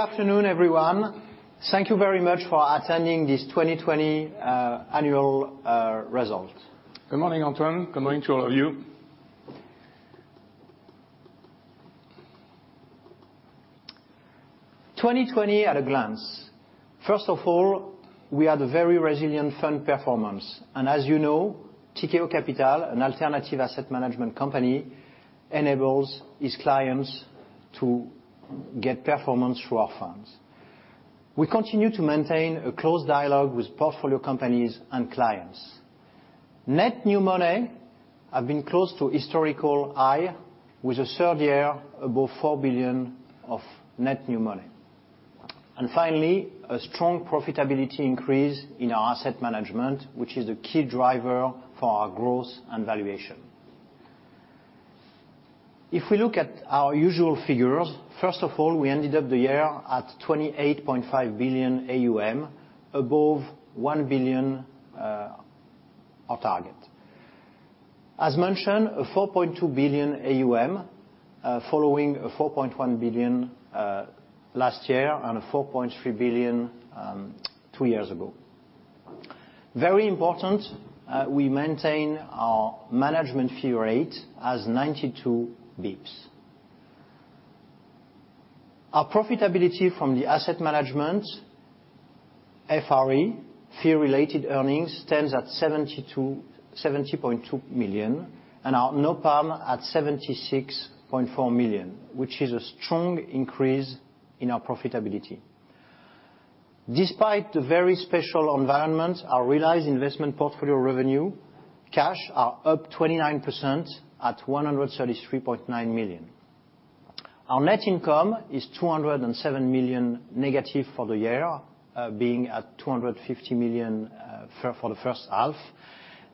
Good afternoon, everyone. Thank you very much for attending this 2020 annual result. Good morning, Antoine. Good morning to all of you. 2020 at a glance. First of all, we had a very resilient fund performance. As you know, Tikehau Capital, an alternative asset management company, enables its clients to get performance through our funds. We continue to maintain a close dialogue with portfolio companies and clients. Net new money has been close to historical high, with a third year above 4 billion of net new money. Finally, a strong profitability increase in our asset management, which is the key driver for our growth and valuation. If we look at our usual figures, first of all, we ended up the year at 28.5 billion AUM, above 1 billion our target. As mentioned, a 4.2 billion AUM following a 4.1 billion last year, and a 4.3 billion two years ago. Very important, we maintain our management fee rate as 92 bps. Our profitability from the asset management, FRE, fee-related earnings, stands at 70.2 million, and our NOPAM at 76.4 million, which is a strong increase in our profitability. Despite the very special environment, our realized investment portfolio revenue, cash are up 29% at 133.9 million. Our net income is 207 million negative for the year, being at 250 million for the first half,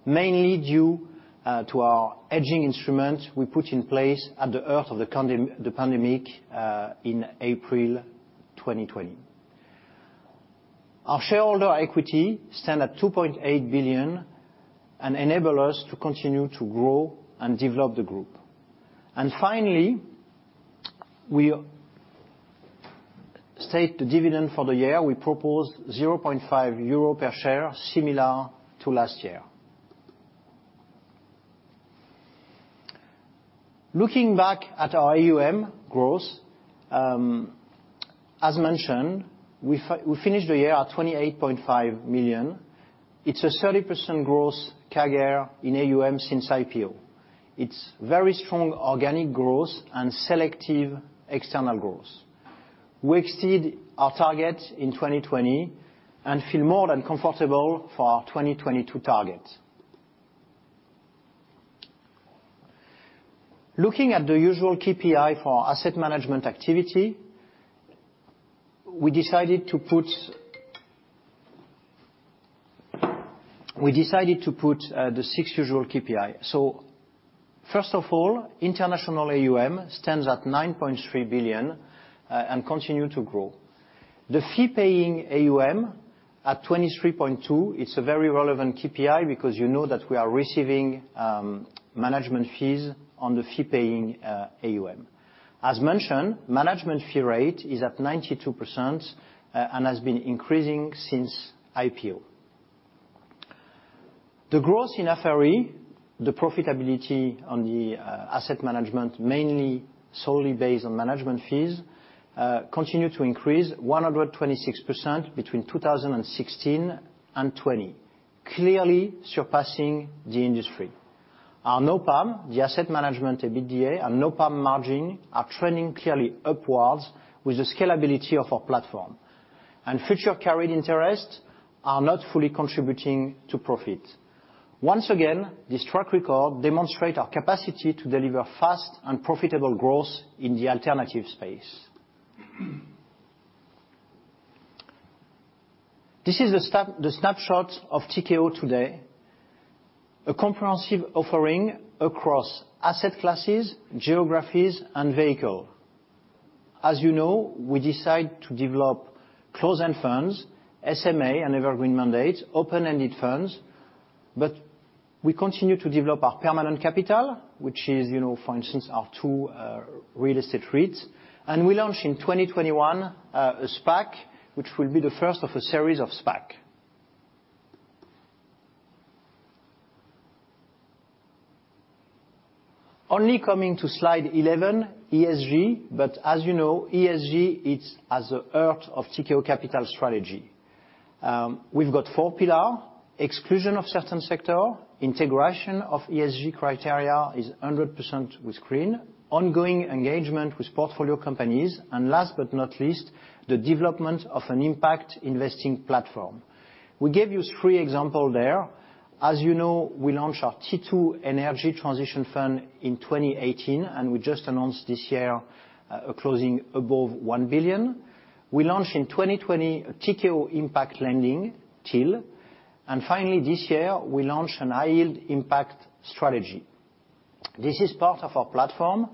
mainly due to our hedging instruments we put in place at the start of the pandemic in April 2020. Our shareholder equity stand at 2.8 billion, Enable us to continue to grow and develop the group. Finally, we state the dividend for the year. We proposed 0.5 euro per share, similar to last year. Looking back at our AUM growth, as mentioned, we finished the year at 28.5 million. It's a 30% growth CAGR in AUM since IPO. It's very strong organic growth and selective external growth. We exceed our target in 2020 and feel more than comfortable for our 2022 target. Looking at the usual KPI for asset management activity, we decided to put the six usual KPI. First of all, international AUM stands at 9.3 billion and continue to grow. The fee-paying AUM at 23.2, it's a very relevant KPI because you know that we are receiving management fees on the fee-paying AUM. As mentioned, management fee rate is at 92% and has been increasing since IPO. The growth in FRE, the profitability on the asset management, mainly solely based on management fees, continue to increase 126% between 2016 and 2020, clearly surpassing the industry. Our NOPAM, the asset management EBITDA and NOPAM margin are trending clearly upwards with the scalability of our platform. Future carried interests are not fully contributing to profit. Once again, this track record demonstrate our capacity to deliver fast and profitable growth in the alternative space. This is the snapshot of Tikehau today. A comprehensive offering across asset classes, geographies, and vehicle. As you know, we decide to develop closed-end funds, SMA and evergreen mandates, open-ended funds, but we continue to develop our permanent capital, which is, for instance, our two real estate REITs. We launch in 2021, a SPAC, which will be the first of a series of SPAC. Only coming to slide 11, ESG. As you know, ESG, it's at the heart of Tikehau Capital strategy. We've got four pillar. Exclusion of certain sector, integration of ESG criteria is 100% with green, ongoing engagement with portfolio companies, and last but not least, the development of an impact-investing platform. We gave you three example there. As you know, we launched our T2 energy transition fund in 2018, and we just announced this year closing above 1 billion. We launched in 2020 a Tikehau Impact Lending, TIL. Finally, this year, we launched a high-yield impact strategy. This is part of our platform.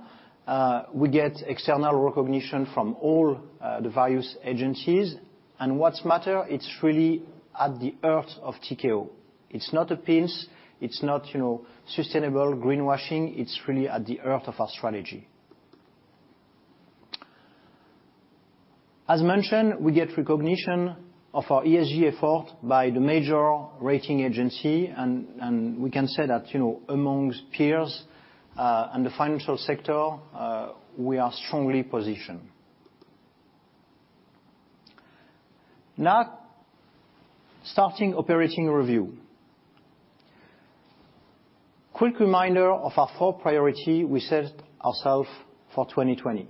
We get external recognition from all the various agencies. And what matters, it's really at the heart of Tikehau. It's not a pins, it's not sustainable greenwashing, it's really at the heart of our strategy. As mentioned, we get recognition of our ESG effort by the major rating agency, and we can say that amongst peers and the financial sector, we are strongly positioned. Now, starting operating review. Quick reminder of our four priority we set ourselves for 2020: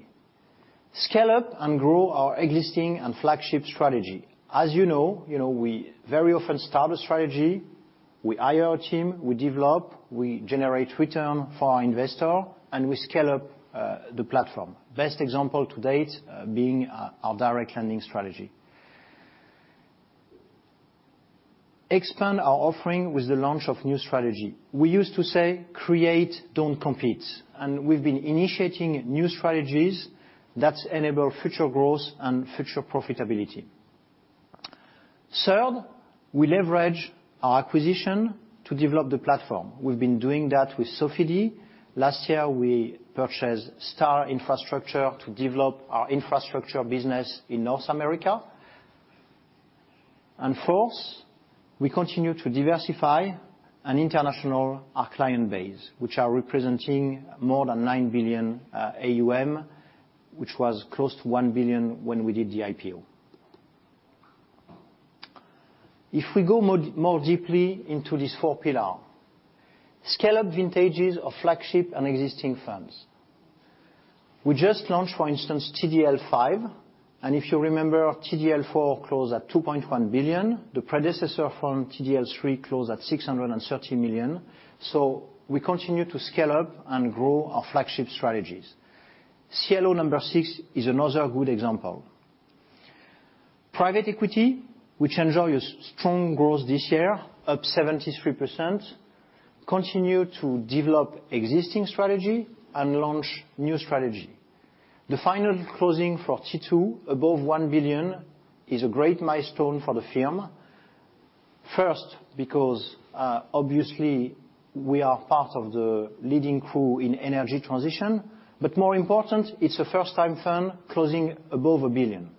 Scale up and grow our existing and flagship strategy. As you know, we very often start a strategy, we hire our team, we develop, we generate return for our investor, and we scale up the platform. Best example to date being our direct lending strategy. Expand our offering with the launch of new strategy. We used to say, "Create, don't compete." We've been initiating new strategies that enable future growth and future profitability. Third, we leverage our acquisition to develop the platform. We've been doing that with Sofidy. Last year, we purchased Star Infrastructure to develop our infrastructure business in North America. Fourth, we continue to diversify and international our client base, which are representing more than 9 billion AUM, which was close to 1 billion when we did the IPO. If we go more deeply into these four pillar, scale-up vintages of flagship and existing funds. We just launched, for instance, TDL V. If you remember, TDL IV closed at 2.1 billion. The predecessor fund, TDL III, closed at 630 million. We continue to scale up and grow our flagship strategies. CLO number six is another good example. Private equity, which enjoys strong growth this year, up 73%, continue to develop existing strategy and launch new strategy. The final closing for T2, above 1 billion, is a great milestone for the firm. First, because obviously, we are part of the leading crew in energy transition. More important, it's a first-time fund closing above 1 billion.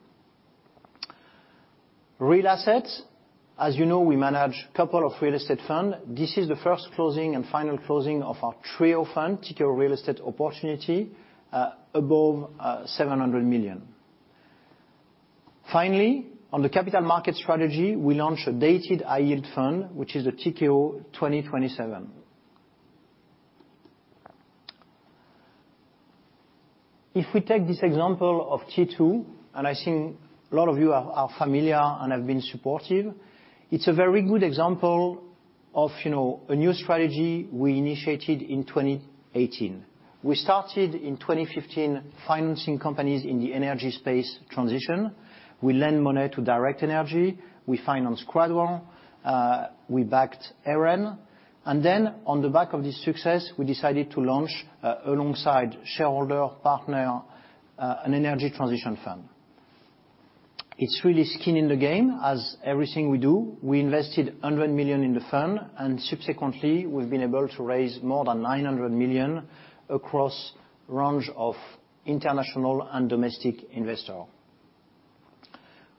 Real assets. As you know, we manage couple of real estate fund. This is the first closing and final closing of our TREO fund, Tikehau Real Estate Opportunity, above 700 million. Finally, on the capital market strategy, we launched a dated high-yield fund, which is the Tikehau 2027. If we take this example of T2, and I think a lot of you are familiar and have been supportive, it is a very good example of a new strategy we initiated in 2018. We started in 2015 financing companies in the energy space transition. We lend money to Direct Energie. We financed Quadran. We backed Eren. On the back of this success, we decided to launch, alongside shareholder partner, an energy transition fund. It is really skin in the game as everything we do, we invested 100 million in the fund, and subsequently, we have been able to raise more than 900 million across range of international and domestic investor.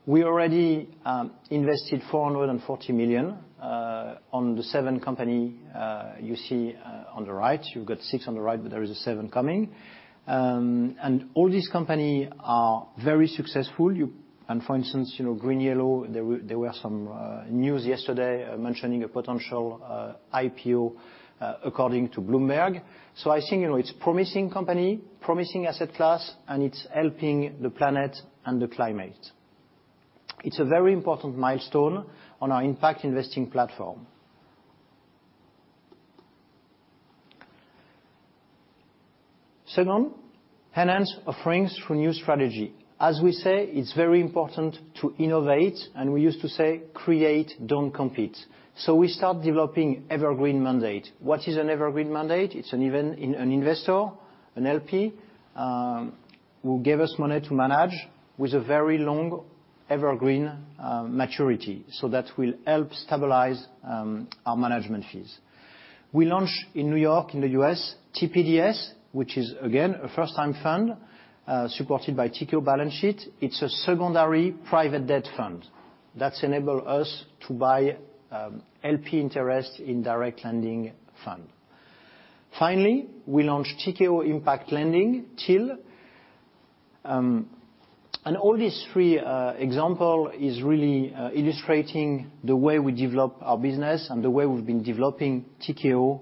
We already invested 440 million on the seven company you see on the right. You have got six on the right, there is a seven coming. All these company are very successful. For instance, GreenYellow, there were some news yesterday mentioning a potential IPO, according to Bloomberg. I think it's promising company, promising asset class, and it's helping the planet and the climate. It's a very important milestone on our impact investing platform. Second, enhance offerings through new strategy. As we say, it's very important to innovate, and we used to say, "Create, don't compete." We start developing evergreen mandate. What is an evergreen mandate? It's an investor, an LP, who give us money to manage with a very long, evergreen maturity. That will help stabilize our management fees. We launched in New York, in the U.S., TPDS, which is, again, a first-time fund, supported by Tikehau balance sheet. It's a secondary private debt fund that enable us to buy LP interest in direct lending fund. Finally, we launched Tikehau Impact Lending, TIL. All these three example is really illustrating the way we develop our business and the way we've been developing Tikehau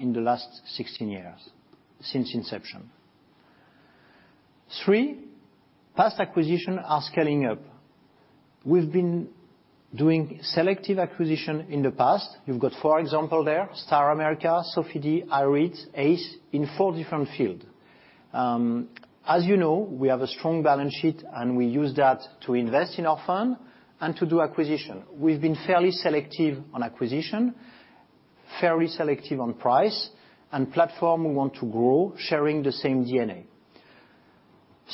in the last 16 years since inception. Three, past acquisition are scaling up. We've been doing selective acquisition in the past. You've got four example there, Star America, Sofidy, IREIT, ACE, in four different field. As you know, we have a strong balance sheet, and we use that to invest in our fund and to do acquisition. We've been fairly selective on price and platform we want to grow, sharing the same DNA.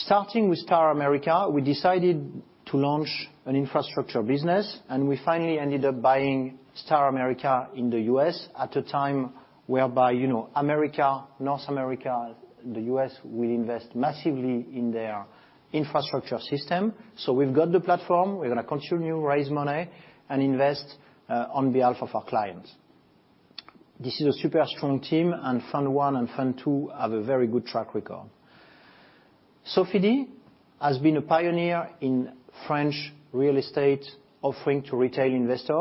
Starting with Star America, we decided to launch an infrastructure business, and we finally ended up buying Star America in the U.S. at a time whereby North America, the U.S. will invest massively in their infrastructure system. We've got the platform. We're going to continue to raise money and invest on behalf of our clients. This is a super strong team, and fund one and fund two have a very good track record. Sofidy has been a pioneer in French real estate offering to retail investor.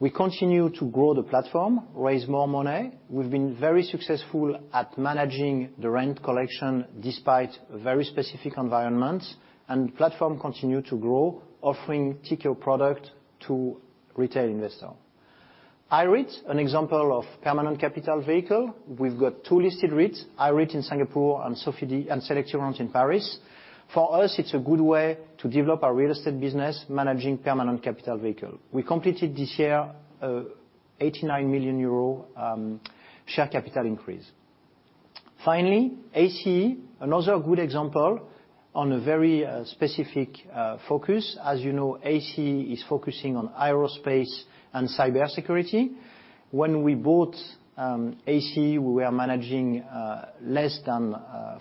We continue to grow the platform, raise more money. We've been very successful at managing the rent collection despite very specific environments, and platform continue to grow, offering Tikehau product to retail investor. IREIT, an example of permanent capital vehicle. We've got two listed REITs, IREIT in Singapore and Selectirente in Paris. For us, it's a good way to develop our real estate business managing permanent capital vehicle. We completed this year, 89 million euro share capital increase. Finally, Ace, another good example on a very specific focus. As you know, Ace is focusing on aerospace and cybersecurity. When we bought ACE, we were managing less than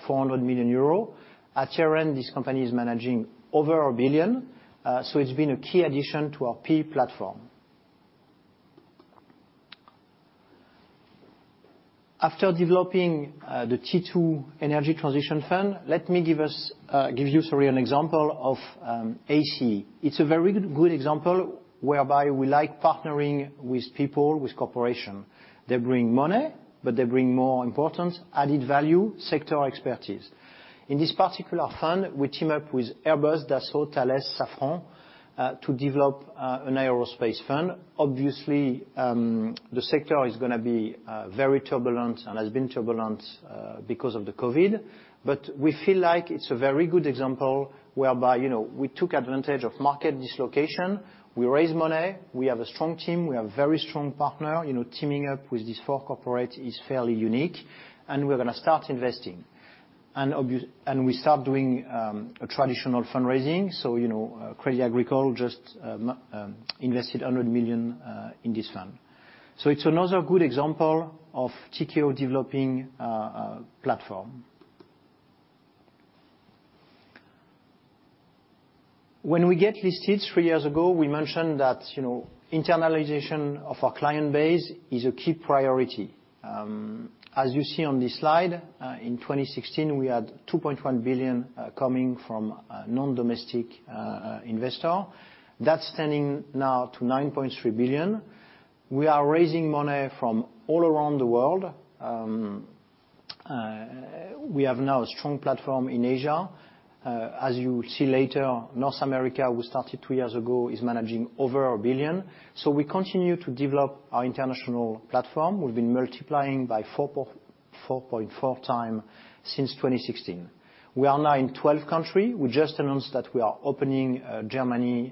400 million euro. At year-end, this company is managing over 1 billion. It's been a key addition to our PE platform. After developing the T2 energy transition fund, let me give you an example of ACE. It's a very good example whereby we like partnering with people, with corporation. They bring money. They bring more important added value, sector expertise. In this particular fund, we team up with Airbus, Dassault, Thales, Safran to develop an aerospace fund. Obviously, the sector is going to be very turbulent and has been turbulent because of the COVID. We feel like it's a very good example whereby, we took advantage of market dislocation. We raised money. We have a strong team. We have very strong partner. Teaming up with these four corporates is fairly unique. We're going to start investing. We start doing a traditional fundraising. Crédit Agricole just invested 100 million in this fund. It's another good example of Tikehau developing a platform. When we get listed three years ago, we mentioned that internalization of our client base is a key priority. As you see on this slide, in 2016, we had 2.1 billion coming from a non-domestic investor. That's standing now to 9.3 billion. We are raising money from all around the world. We have now a strong platform in Asia. As you see later, North America, we started two years ago, is managing over 1 billion. We continue to develop our international platform. We've been multiplying by 4.4x since 2016. We are now in 12 country. We just announced that we are opening Germany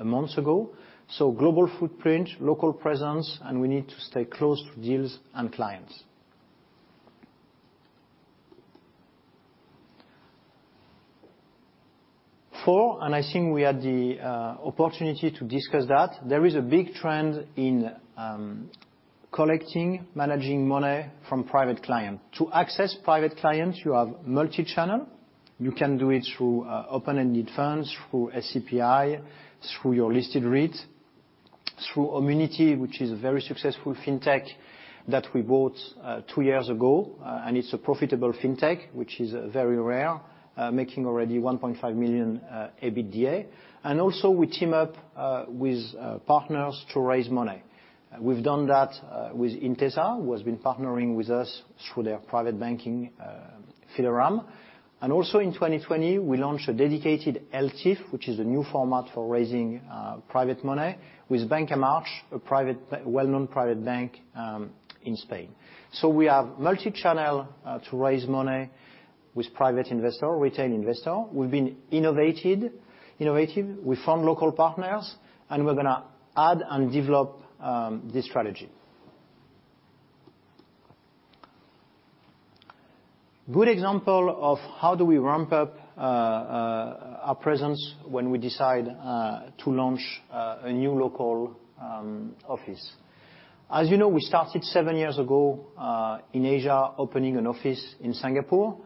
a month ago. Global footprint, local presence, and we need to stay close to deals and clients. Four. I think we had the opportunity to discuss that. There is a big trend in collecting, managing money from private client. To access private clients, you have multi-channel. You can do it through open-ended funds, through SCPI, through your listed REIT, through Homunity, which is a very successful fintech that we bought two years ago. It's a profitable fintech, which is very rare, making already 1.5 million EBITDA. Also we team up with partners to raise money. We've done that with Intesa, who has been partnering with us through their private banking, Fideuram. Also in 2020, we launched a dedicated ELTIF, which is a new format for raising private money with Banca March, a well-known private bank in Spain. We have multi-channel to raise money with private investor, retail investor. We've been innovative. We found local partners, and we're going to add and develop this strategy. Good example of how do we ramp up our presence when we decide to launch a new local office. As you know, we started seven years ago, in Asia, opening an office in Singapore.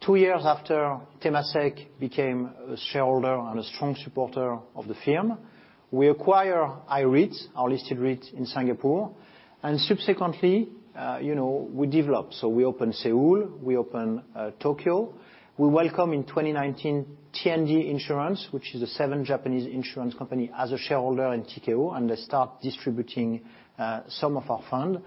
Two years after, Temasek became a shareholder and a strong supporter of the firm. We acquire IREIT, our listed REIT in Singapore, and subsequently, we develop. We open Seoul, we open Tokyo. We welcome in 2019, T&D Insurance, which is a seven Japanese insurance company as a shareholder in Tikehau, and they start distributing some of our fund.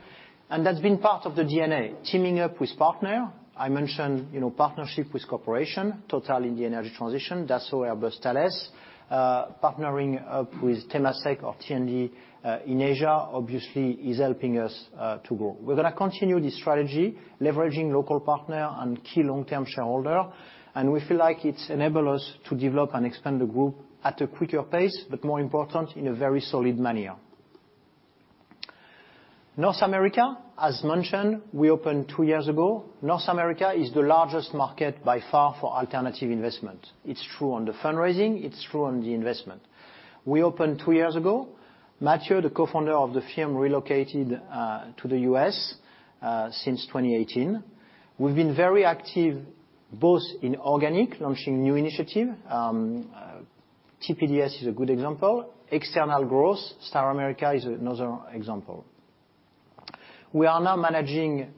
That's been part of the DNA, teaming up with partner. I mentioned partnership with corporation, Total in the energy transition, Dassault, Airbus, Thales. Partnering up with Temasek or T&D in Asia obviously is helping us to grow. We're going to continue this strategy, leveraging local partner and key long-term shareholder, and we feel like it's enabled us to develop and expand the group at a quicker pace, but more important, in a very solid manner. North America, as mentioned, we opened two years ago. North America is the largest market by far for alternative investment. It's true on the fundraising, it's true on the investment. We opened two years ago. Mathieu, the Co-Founder of the firm, relocated to the U.S. since 2018. We've been very active, both in organic, launching new initiative, TPDS is a good example. External growth, Star America is another example. We are now managing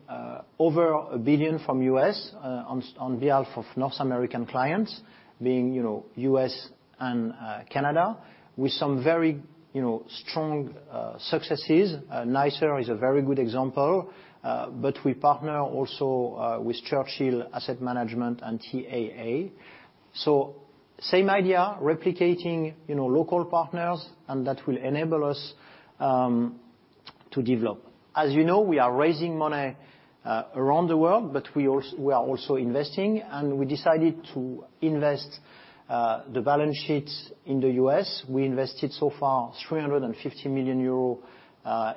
over 1 billion from U.S. on behalf of North American clients, being U.S. and Canada, with some very strong successes. NISA is a very good example. We partner also with Churchill Asset Management and TIAA. Same idea, replicating local partners, and that will enable us to develop. As you know, we are raising money around the world, but we are also investing, and we decided to invest the balance sheets in the U.S. We invested so far 350 million euros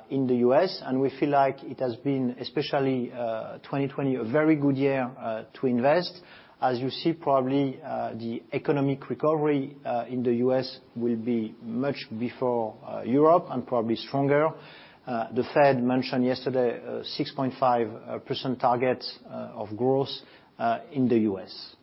in the U.S., and we feel like it has been, especially 2020, a very good year to invest. As you see, probably, the economic recovery in the U.S. will be much before Europe and probably stronger. The Fed mentioned yesterday a 6.5% target of growth in the U.S.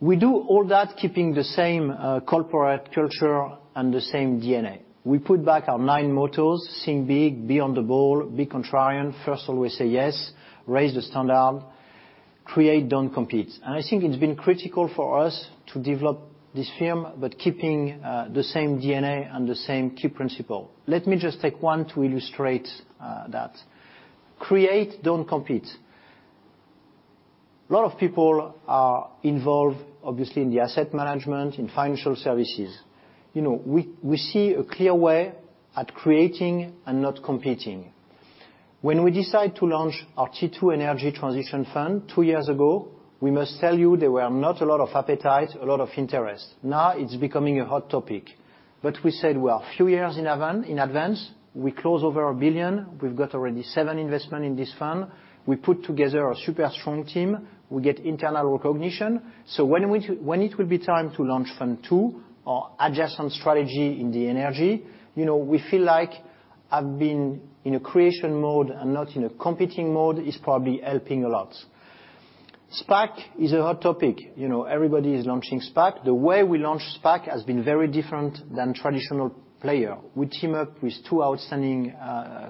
We do all that keeping the same corporate culture and the same DNA. We put back our nine mottos: think big, be on the ball, be contrarian, first always say yes, raise the standard, create, don't compete. I think it's been critical for us to develop this firm, but keeping the same DNA and the same key principle. Let me just take one to illustrate that. Create, don't compete. A lot of people are involved, obviously, in the asset management, in financial services. We see a clear way at creating and not competing. When we decide to launch our T2 energy transition fund two years ago, we must tell you there were not a lot of appetite, a lot of interest. Now it's becoming a hot topic. We said, we are a few years in advance. We close over 1 billion. We've got already seven investment in this fund. We put together a super strong team. We get internal recognition. When it will be time to launch fund two or adjust on strategy in the energy, we feel like I've been in a creation mode and not in a competing mode is probably helping a lot. SPAC is a hot topic. Everybody is launching SPAC. The way we launch SPAC has been very different than traditional player. We team up with two outstanding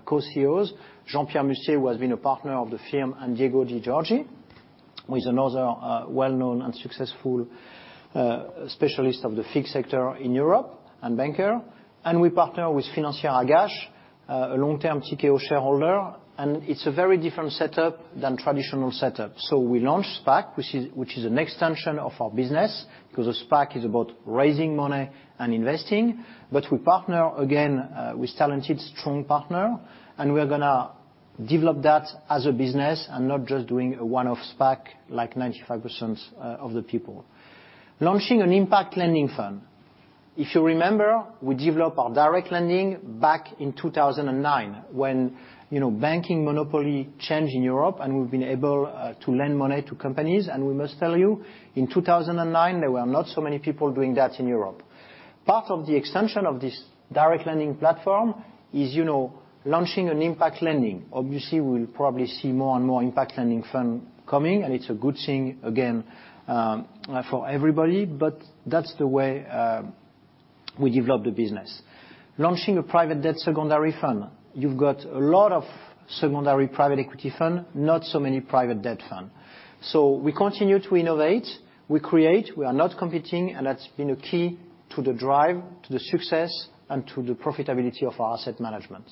co-CEOs, Jean-Pierre Mustier, who has been a partner of the firm, and Diego De Giorgi, who is another well-known and successful specialist of the FIG sector in Europe and banker. We partner with Financière Agache, a long-term Tikehau shareholder, and it's a very different setup than traditional setup. We launch SPAC, which is an extension of our business because a SPAC is about raising money and investing. We partner, again, with talented, strong partner, and we're going to develop that as a business and not just doing a one-off SPAC like 95% of the people. Launching an impact lending fund. If you remember, we developed our direct lending back in 2009 when banking monopoly changed in Europe, and we've been able to lend money to companies. We must tell you, in 2009, there were not so many people doing that in Europe. Part of the extension of this direct lending platform is launching an impact lending. Obviously, we'll probably see more and more impact lending fund coming, and it's a good thing, again, for everybody. That's the way we develop the business. Launching a private debt secondary fund. You've got a lot of secondary private equity fund, not so many private debt fund. We continue to innovate, we create, we are not competing, and that's been a key to the drive, to the success, and to the profitability of our asset management.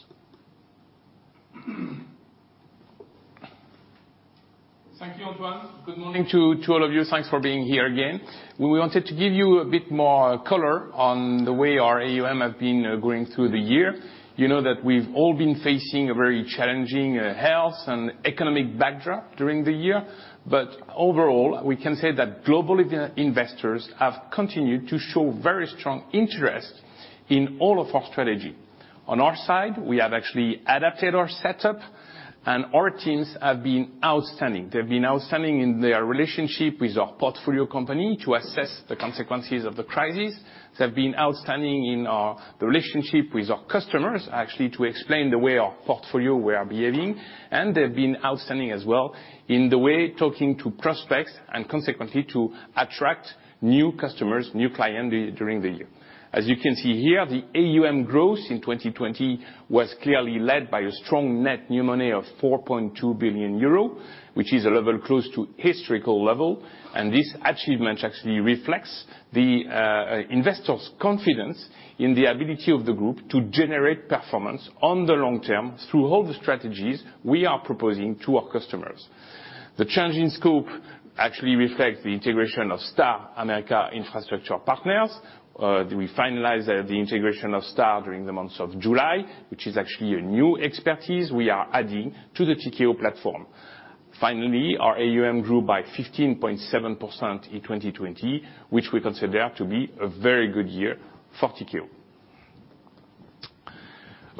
Thank you, Antoine. Good morning to all of you. Thanks for being here again. We wanted to give you a bit more color on the way our AUM have been going through the year. You know that we've all been facing a very challenging health and economic backdrop during the year. Overall, we can say that global investors have continued to show very strong interest in all of our strategy. On our side, we have actually adapted our setup, and our teams have been outstanding. They've been outstanding in their relationship with our portfolio company to assess the consequences of the crisis. They've been outstanding in the relationship with our customers, actually, to explain the way our portfolio were behaving, and they've been outstanding as well in the way talking to prospects and consequently to attract new customers, new clientele during the year. As you can see here, the AUM growth in 2020 was clearly led by a strong net new money of 4.2 billion euro, which is a level close to historical level. This achievement actually reflects the investors' confidence in the ability of the group to generate performance on the long term through all the strategies we are proposing to our customers. The change in scope actually reflects the integration of Star America Infrastructure Partners. We finalized the integration of Star during the month of July, which is actually a new expertise we are adding to the Tikehau platform. Finally, our AUM grew by 15.7% in 2020, which we consider to be a very good year for Tikehau.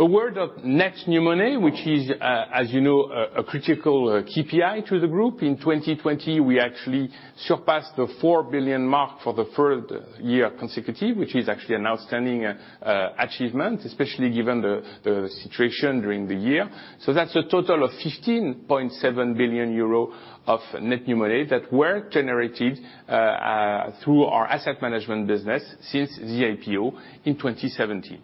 A word of net new money, which is, as you know, a critical KPI to the group. In 2020, we actually surpassed the 4 billion mark for the third year consecutive, which is actually an outstanding achievement, especially given the situation during the year. That's a total of 15.7 billion euro of net new money that were generated through our asset management business since the IPO in 2017.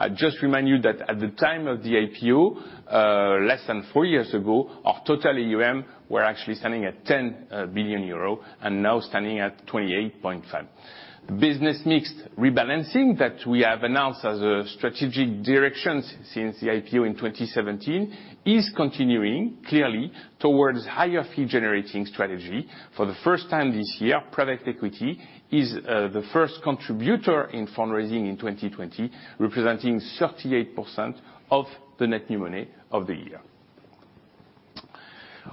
I just remind you that at the time of the IPO, less than four years ago, our total AUM were actually standing at 10 billion euro and now standing at 28.5 billion. Business mix rebalancing that we have announced as a strategic direction since the IPO in 2017 is continuing, clearly, towards higher fee-generating strategy. For the first time this year, private equity is the first contributor in fundraising in 2020, representing 38% of the net new money of the year.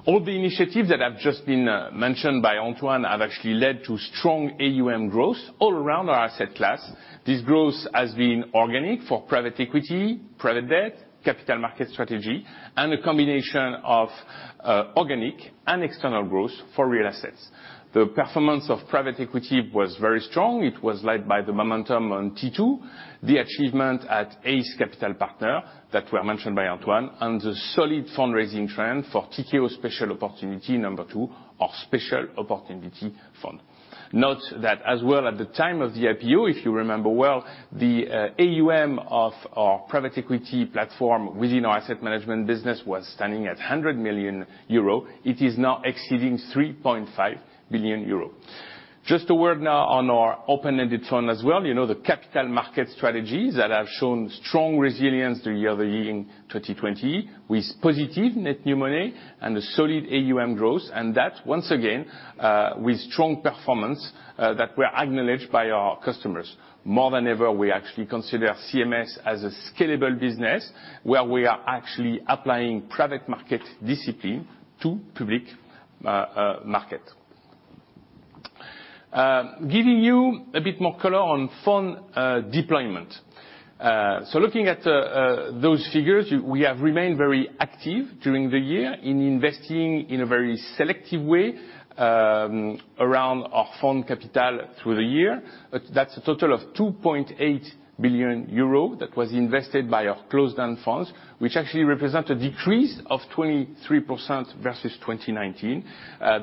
All the initiatives that have just been mentioned by Antoine have actually led to strong AUM growth all around our asset class. This growth has been organic for private equity, private debt, capital market strategy, and a combination of organic and external growth for real assets. The performance of private equity was very strong. It was led by the momentum on T2, the achievement at Ace Capital Partners that were mentioned by Antoine, and the solid fundraising trend for Tikehau Special Opportunities II, our special opportunity fund. Note that as well, at the time of the IPO, if you remember well, the AUM of our private equity platform within our asset management business was standing at 100 million euro. It is now exceeding 3.5 billion euro. Just a word now on our open-ended fund as well. The capital market strategies that have shown strong resilience during the year in 2020, with positive net new money and a solid AUM growth, and that, once again, with strong performance that were acknowledged by our customers. More than ever, we actually consider CMS as a scalable business where we are actually applying private market discipline to public market. Giving you a bit more color on fund deployment. Looking at those figures, we have remained very active during the year in investing in a very selective way around our fund capital through the year. That's a total of 2.8 billion euro that was invested by our closed-end funds, which actually represent a decrease of 23% versus 2019.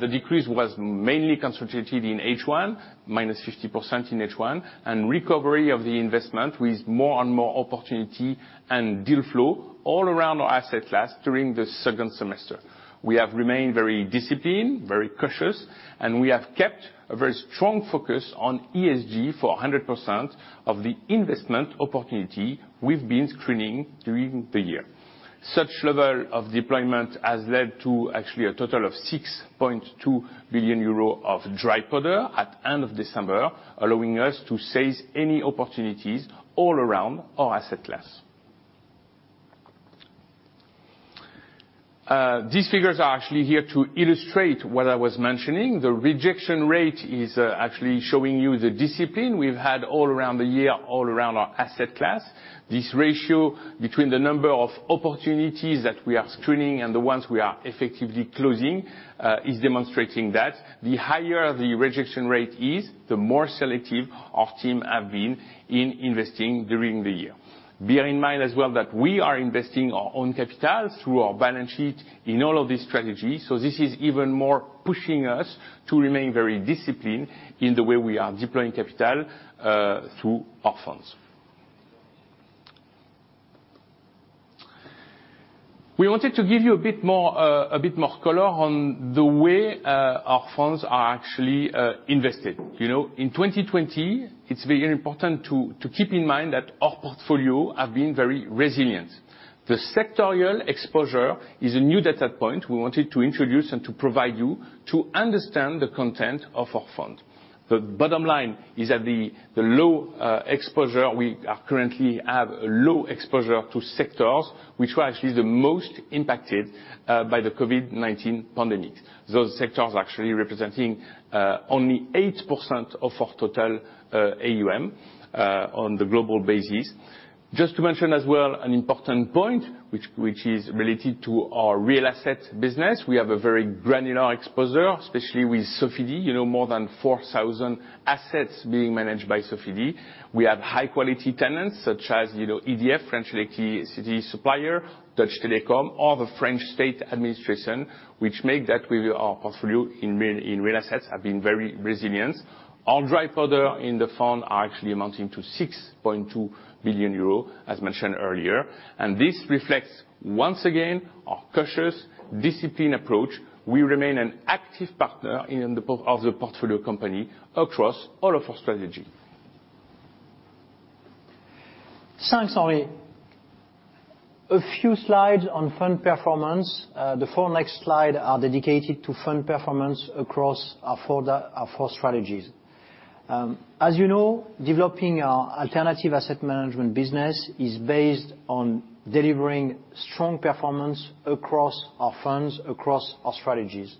The decrease was mainly concentrated in H1, -50% in H1, and recovery of the investment with more and more opportunity and deal flow all around our asset class during the second semester. We have remained very disciplined, very cautious, and we have kept a very strong focus on ESG for 100% of the investment opportunity we've been screening during the year. Such level of deployment has led to actually a total of 6.2 billion euro of dry powder at end of December, allowing us to seize any opportunities all around our asset class. These figures are actually here to illustrate what I was mentioning. The rejection rate is actually showing you the discipline we've had all around the year, all around our asset class. This ratio between the number of opportunities that we are screening and the ones we are effectively closing is demonstrating that the higher the rejection rate is, the more selective our team have been in investing during the year. Bear in mind as well that we are investing our own capital through our balance sheet in all of these strategies, so this is even more pushing us to remain very disciplined in the way we are deploying capital through our funds. We wanted to give you a bit more color on the way our funds are actually invested. In 2020, it's very important to keep in mind that our portfolio have been very resilient. The sectorial exposure is a new data point we wanted to introduce and to provide you to understand the content of our fund. The bottom line is that we currently have a low exposure to sectors which were actually the most impacted by the COVID-19 pandemic. Those sectors actually representing only 8% of our total AUM on the global basis. Just to mention as well an important point, which is related to our real asset business. We have a very granular exposure, especially with Sofidy, more than 4,000 assets being managed by Sofidy. We have high-quality tenants such as EDF, French electricity supplier, Deutsche Telekom, or the French state administration, which make that our portfolio in real assets have been very resilient. Our dry powder in the fund are actually amounting to 6.2 billion euro, as mentioned earlier. This reflects, once again, our cautious, disciplined approach. We remain an active partner of the portfolio company across all of our strategy. Thanks, Henri. A few slides on fund performance. The four next slide are dedicated to fund performance across our four strategies. As you know, developing our alternative asset management business is based on delivering strong performance across our funds, across our strategies.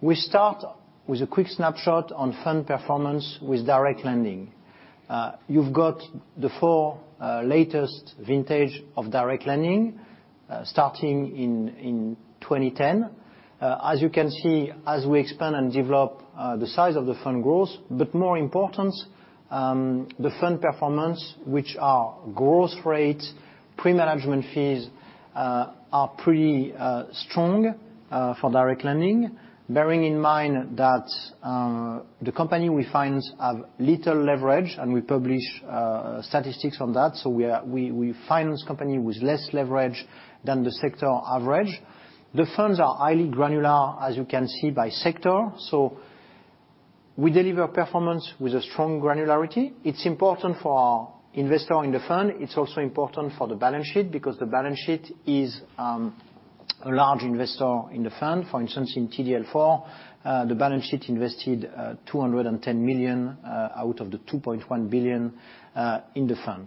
We start with a quick snapshot on fund performance with direct lending. You've got the four latest vintage of direct lending, starting in 2010. As you can see, as we expand and develop, the size of the fund grows, more important, the fund performance, which are growth rates, pre-management fees, are pretty strong for direct lending, bearing in mind that the company we finance have little leverage, and we publish statistics on that. We finance company with less leverage than the sector average. The funds are highly granular, as you can see, by sector. We deliver performance with a strong granularity. It's important for investors in the fund. It's also important for the balance sheet, because the balance sheet is a large investor in the fund. For instance, in TDL IV, the balance sheet invested 210 million out of the 2.1 billion in the fund.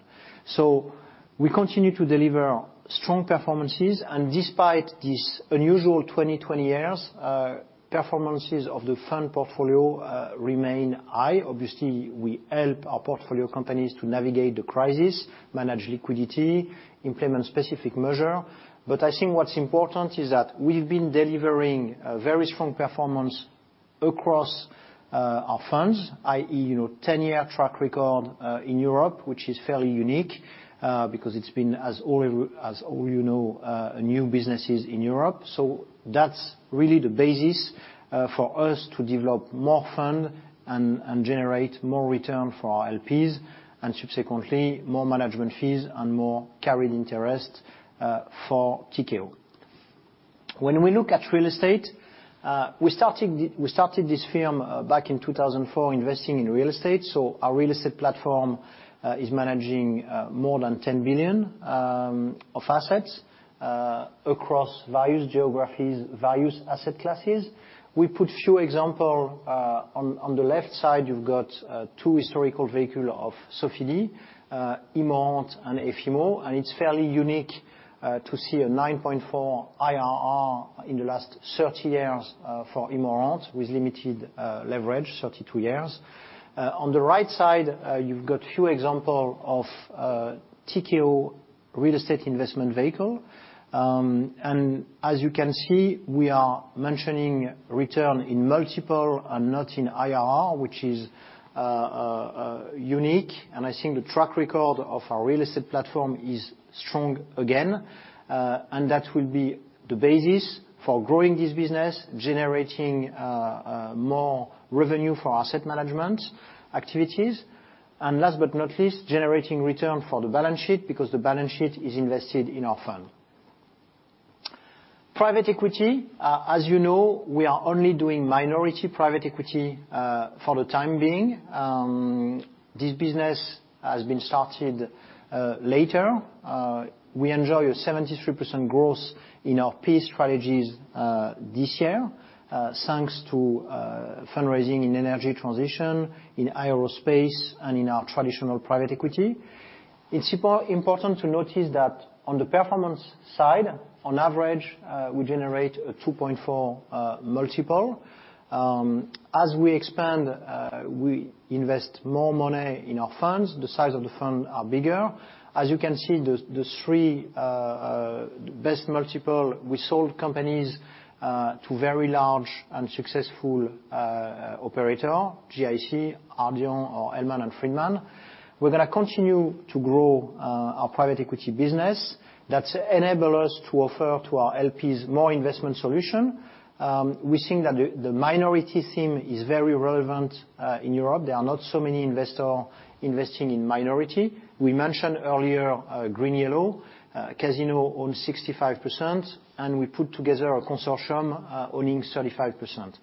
We continue to deliver strong performances. Despite this unusual 2020 year, performances of the fund portfolio remain high. Obviously, we help our portfolio companies to navigate the crisis, manage liquidity, implement specific measures. I think what's important is that we've been delivering a very strong performance across our funds, i.e., 10-year track record in Europe, which is fairly unique, because it's been, as all you know, new businesses in Europe. That's really the basis for us to develop more funds and generate more return for our LPs, and subsequently, more management fees and more carried interest for Tikehau. We look at real estate, we started this firm back in 2004 investing in real estate. Our real estate platform is managing more than 10 billion of assets across various geographies, various asset classes. We put few example, on the left side, you've got two historical vehicle of Sofidy, Immorente and Efimmo 1, it's fairly unique to see a 9.4% IRR in the last 30 years for Immorente with limited leverage, 32 years. On the right side, you've got few example of Tikehau real estate investment vehicle. As you can see, we are mentioning return in multiple and not in IRR, which is unique. I think the track record of our real estate platform is strong again, that will be the basis for growing this business, generating more revenue for asset management activities. Last but not least, generating return for the balance sheet, because the balance sheet is invested in our fund. Private equity. As you know, we are only doing minority private equity for the time being. This business has been started later. We enjoy a 73% growth in our PE strategies this year, thanks to fundraising in energy transition, in aerospace, and in our traditional private equity. It's important to notice that on the performance side, on average, we generate a 2.4 multiple. As we expand, we invest more money in our funds. The size of the fund are bigger. As you can see, the three best multiple, we sold companies to very large and successful operator, GIC, Ardian or Hellman & Friedman. We're going to continue to grow our private equity business. That enable us to offer to our LPs more investment solution. We think that the minority theme is very relevant in Europe. There are not so many investor investing in minority. We mentioned earlier GreenYellow. Casino own 65%, and we put together a consortium owning 35%.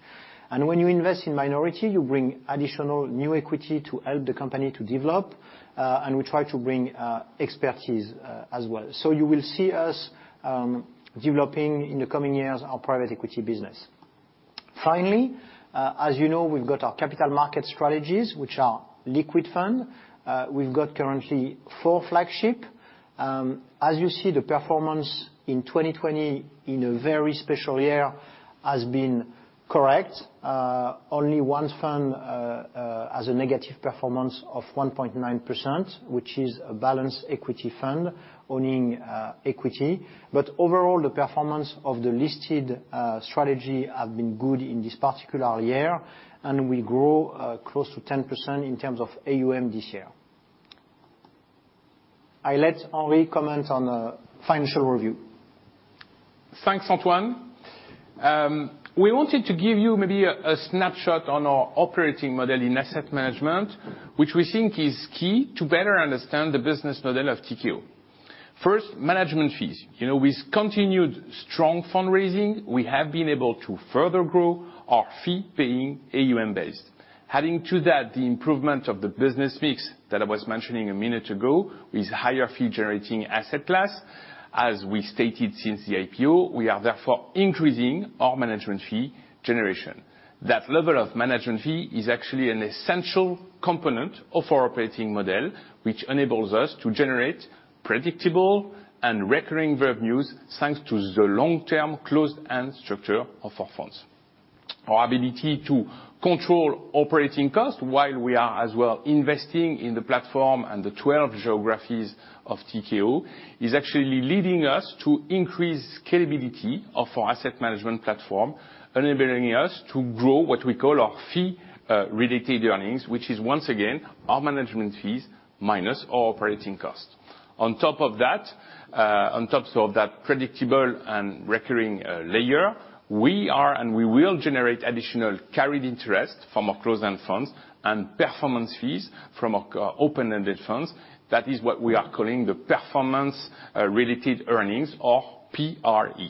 When you invest in minority, you bring additional new equity to help the company to develop, and we try to bring expertise as well. You will see us developing, in the coming years, our private equity business. Finally, as you know, we've got our capital market strategies, which are liquid fund. We've got currently four flagship. As you see, the performance in 2020, in a very special year, has been correct. Only one fund has a negative performance of 1.9%, which is a balanced equity fund owning equity. Overall, the performance of the listed strategy have been good in this particular year, and we grow close to 10% in terms of AUM this year. I let Henri comment on financial review. Thanks, Antoine. We wanted to give you maybe a snapshot on our operating model in asset management, which we think is key to better understand the business model of Tikehau. First, management fees. With continued strong fundraising, we have been able to further grow our fee being AUM-based. Adding to that, the improvement of the business mix that I was mentioning a minute ago, with higher fee-generating asset class, as we stated since the IPO. We are therefore increasing our management fee generation. That level of management fee is actually an essential component of our operating model, which enables us to generate predictable and recurring revenues, thanks to the long-term closed-end structure of our funds. Our ability to control operating costs while we are as well investing in the platform and the 12 geographies of Tikehau is actually leading us to increase scalability of our asset management platform, enabling us to grow what we call our fee-related earnings, which is, once again, our management fees minus our operating cost. On top of that predictable and recurring layer, we are and we will generate additional carried interest from our closed-end funds and performance fees from our open-ended funds. That is what we are calling the performance-related earnings, or PRE.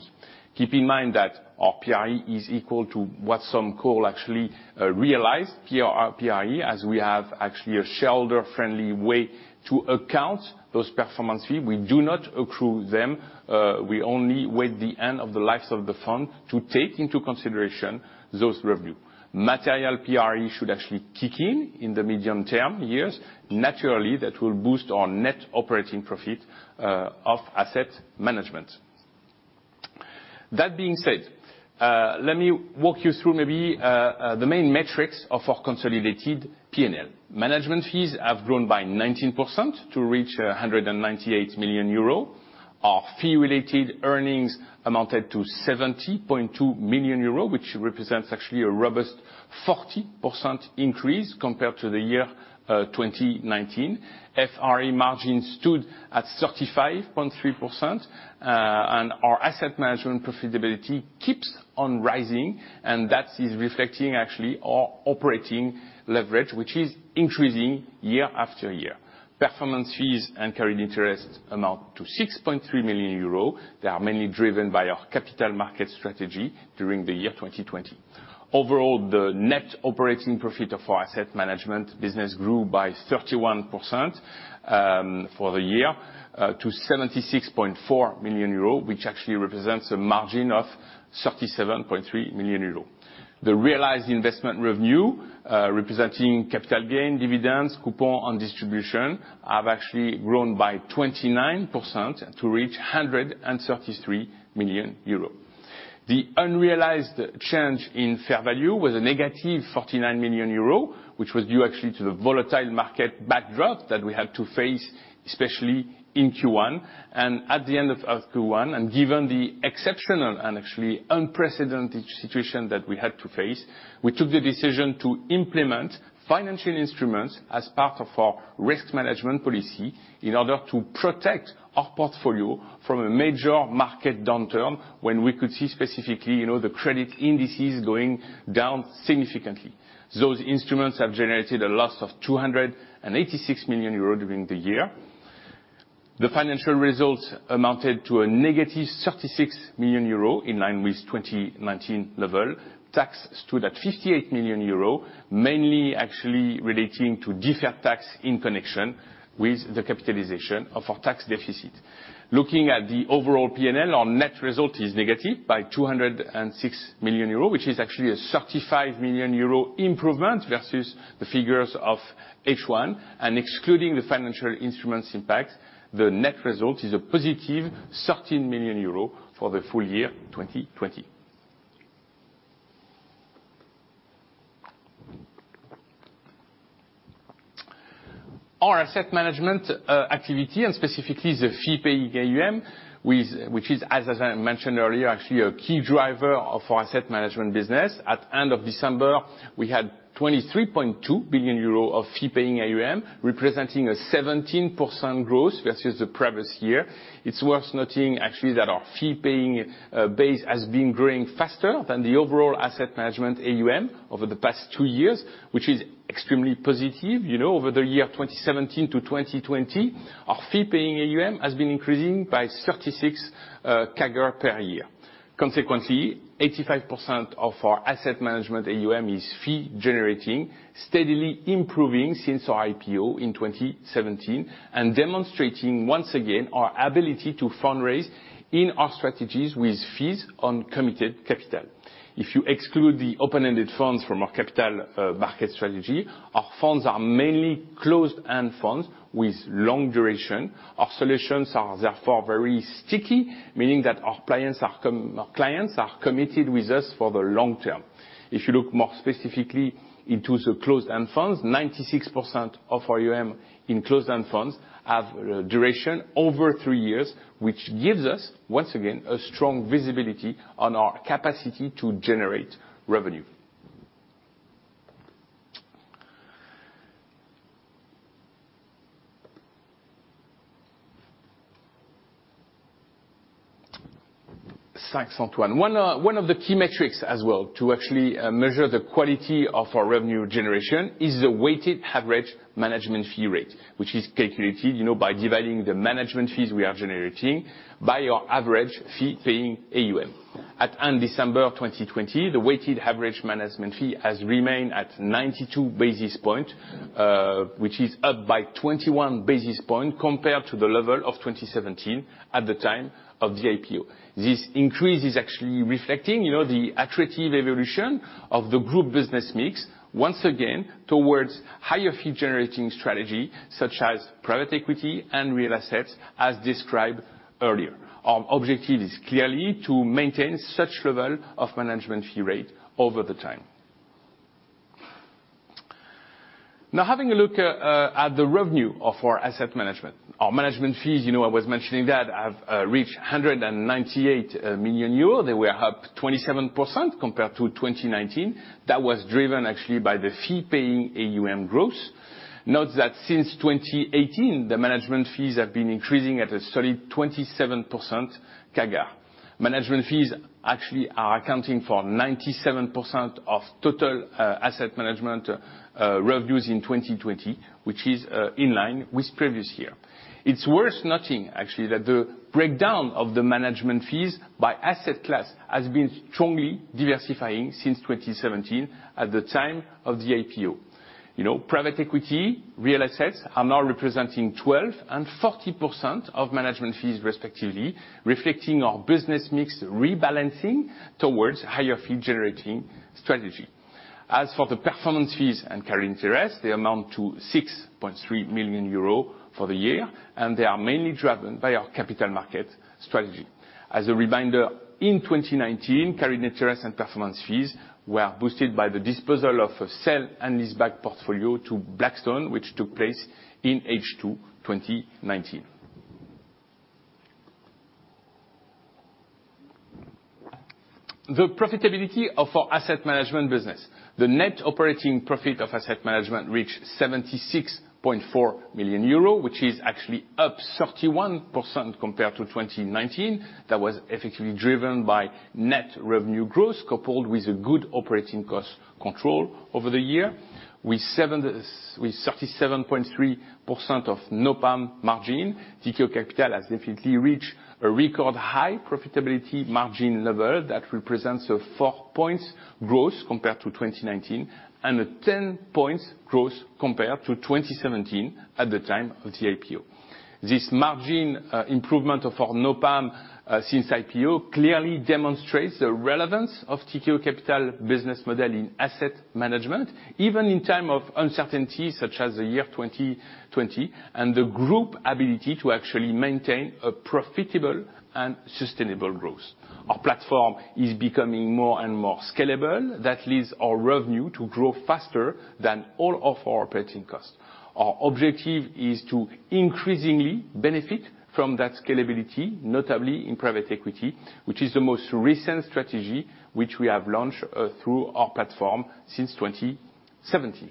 Keep in mind that our PRE is equal to what some call actually realized PRE, as we have actually a shareholder-friendly way to account those performance fee. We do not accrue them. We only wait the end of the life of the fund to take into consideration those revenue. Material PRE should actually kick in the medium-term years. Naturally, that will boost our Net Operating Profit of Asset Management. That being said, let me walk you through maybe the main metrics of our consolidated P&L. Management fees have grown by 19% to reach 198 million euro. Our Fee-Related Earnings amounted to 70.2 million euro, which represents actually a robust 40% increase compared to the year 2019. FRE margin stood at 35.3%, and our asset management profitability keeps on rising, and that is reflecting actually our operating leverage, which is increasing year after year. Performance fees and carried interest amount to 6.3 million euros. They are mainly driven by our capital market strategy during the year 2020. Overall, the net operating profit of our asset management business grew by 31% for the year to 76.4 million euro, which actually represents a margin of 37.3 million euro. The realized investment revenue, representing capital gain dividends, coupon on distribution, have actually grown by 29% to reach 133 million euros. The unrealized change in fair value was a negative 49 million euros, which was due actually to the volatile market backdrop that we had to face, especially in Q1. At the end of Q1, and given the exceptional and actually unprecedented situation that we had to face, we took the decision to implement financial instruments as part of our risk management policy in order to protect our portfolio from a major market downturn when we could see specifically the credit indices going down significantly. Those instruments have generated a loss of 286 million euros during the year. The financial results amounted to a 36 million euros, in line with 2019 level. Tax stood at 58 million euros, mainly actually relating to deferred tax in connection with the capitalization of our tax deficit. Looking at the overall P&L, our net result is negative by 206 million euros, which is actually a 35 million euro improvement versus the figures of H1. Excluding the financial instruments impact, the net result is a positive 13 million euro for the full year 2020. Our asset management activity, and specifically the fee-paying AUM, which is, as I mentioned earlier, actually a key driver of our asset management business. At end of December, we had 23.2 billion euro of fee-paying AUM, representing a 17% growth versus the previous year. It's worth noting, actually, that our fee-paying base has been growing faster than the overall asset management AUM over the past two years, which is extremely positive. Over the year 2017 to 2020, our fee-paying AUM has been increasing by 36 CAGR per year. Consequently, 85% of our asset management AUM is fee generating, steadily improving since our IPO in 2017, and demonstrating once again our ability to fundraise in our strategies with fees on committed capital. If you exclude the open-ended funds from our capital market strategy, our funds are mainly closed-end funds with long duration. Our solutions are therefore very sticky, meaning that our clients are committed with us for the long term. If you look more specifically into the closed-end funds, 96% of our AUM in closed-end funds have duration over three years, which gives us, once again, a strong visibility on our capacity to generate revenue. Thanks, Antoine. One of the key metrics as well to actually measure the quality of our revenue generation is the weighted average management fee rate, which is calculated by dividing the management fees we are generating by our average fee-paying AUM. At end December 2020, the weighted average management fee has remained at 92 basis points, which is up by 21 basis points compared to the level of 2017 at the time of the IPO. This increase is actually reflecting the attractive evolution of the group business mix, once again, towards higher fee-generating strategy such as private equity and real assets, as described earlier. Our objective is clearly to maintain such level of management fee rate over the time. Now having a look at the revenue of our asset management. Our management fees, I was mentioning that, have reached 198 million euros. They were up 27% compared to 2019. That was driven actually by the fee-paying AUM growth. Note that since 2018, the management fees have been increasing at a steady 27% CAGR. Management fees actually are accounting for 97% of total asset management revenues in 2020, which is in line with previous year. It's worth noting, actually, that the breakdown of the management fees by asset class has been strongly diversifying since 2017 at the time of the IPO. Private equity, real assets, are now representing 12% and 40% of management fees, respectively, reflecting our business mix rebalancing towards higher fee-generating strategy. As for the performance fees and carried interest, they amount to 6.3 million euro for the year, and they are mainly driven by our capital market strategy. As a reminder, in 2019, carried interest and performance fees were boosted by the disposal of sale and leaseback portfolio to Blackstone, which took place in H2 2019. The profitability of our asset management business. The Net Operating Profit of Asset Management reached 76.4 million euro, which is actually up 31% compared to 2019. That was effectively driven by net revenue growth, coupled with a good operating cost control over the year. With 37.3% of NOPAM margin, Tikehau Capital has definitely reached a record high profitability margin level that represents a four points growth compared to 2019 and a 10 points growth compared to 2017 at the time of the IPO. This margin improvement of our NOPAM since IPO clearly demonstrates the relevance of Tikehau Capital business model in asset management, even in time of uncertainty such as the year 2020, and the group ability to actually maintain a profitable and sustainable growth. Our platform is becoming more and more scalable. That leads our revenue to grow faster than all of our operating costs. Our objective is to increasingly benefit from that scalability, notably in private equity, which is the most recent strategy which we have launched through our platform since 2017.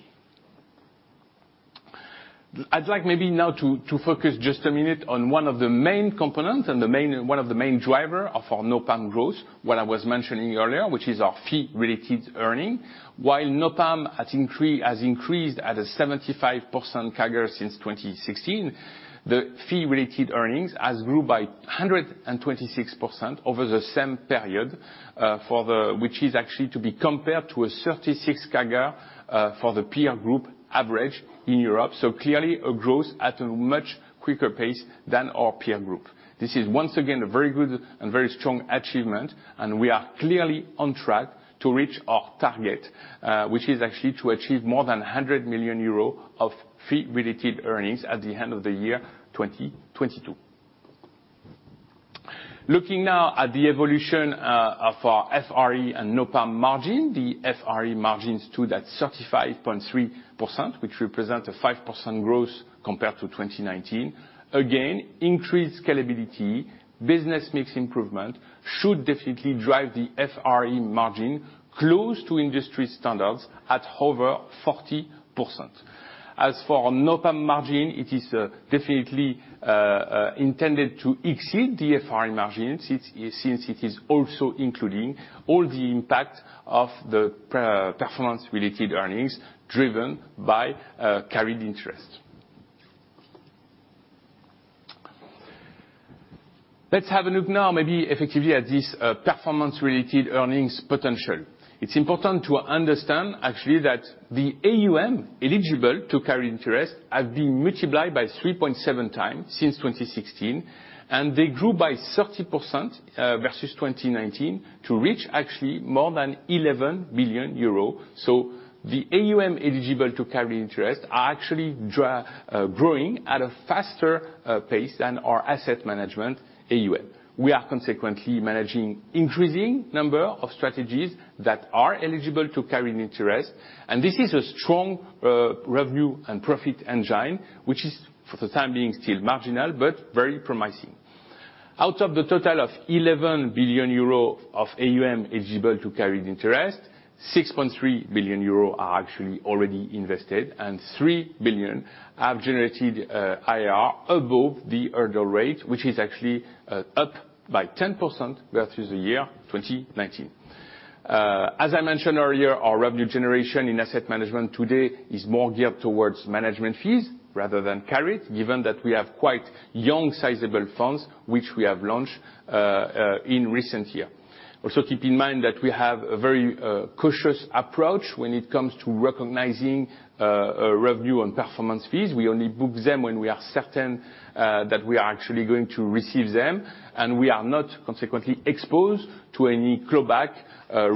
I'd like maybe now to focus just a minute on one of the main components and one of the main driver of our NOPAM growth, what I was mentioning earlier, which is our fee-related earning. NOPAM has increased at a 75% CAGR since 2016, the fee-related earnings has grew by 126% over the same period, which is actually to be compared to a 36% CAGR for the peer group average in Europe. Clearly, a growth at a much quicker pace than our peer group. This is once again a very good and very strong achievement, and we are clearly on track to reach our target, which is actually to achieve more than 100 million euro of fee-related earnings at the end of the year 2022. Looking now at the evolution of our FRE and NOPAM margin, the FRE margins stood at 35.3%, which represent a 5% growth compared to 2019. Again, increased scalability, business mix improvement, should definitely drive the FRE margin close to industry standards at over 40%. As for NOPAM margin, it is definitely intended to exceed the FRE margin, since it is also including all the impact of the performance-related earnings driven by carried interest. Let's have a look now maybe effectively at this performance-related earnings potential. It's important to understand, actually, that the AUM eligible to carried interest has been multiplied by 3.7x since 2016, and they grew by 30% versus 2019 to reach actually more than 11 billion euros. The AUM eligible to carried interest are actually growing at a faster pace than our asset management AUM. We are consequently managing increasing number of strategies that are eligible to carried interest, and this is a strong revenue and profit engine, which is, for the time being, still marginal, but very promising. Out of the total of 11 billion euro of AUM eligible to carried interest, 6.3 billion euro are actually already invested, and 3 billion have generated IRR above the hurdle rate, which is actually up by 10% versus the year 2019. As I mentioned earlier, our revenue generation in asset management today is more geared towards management fees rather than carried, given that we have quite young, sizable funds which we have launched in recent year. Also keep in mind that we have a very cautious approach when it comes to recognizing revenue on performance fees. We only book them when we are certain that we are actually going to receive them, and we are not consequently exposed to any clawback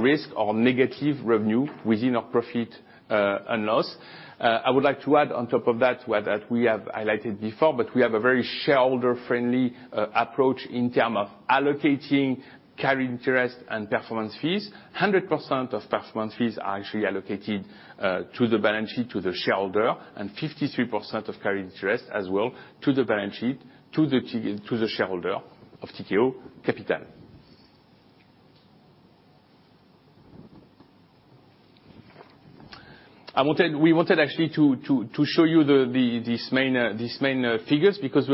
risk or negative revenue within our profit and loss. I would like to add on top of that what we have highlighted before, but we have a very shareholder-friendly approach in terms of allocating carried interest and performance fees. 100% of performance fees are actually allocated to the balance sheet to the shareholder, and 53% of carried interest as well to the balance sheet to the shareholder of Tikehau Capital. We wanted actually to show you these main figures, because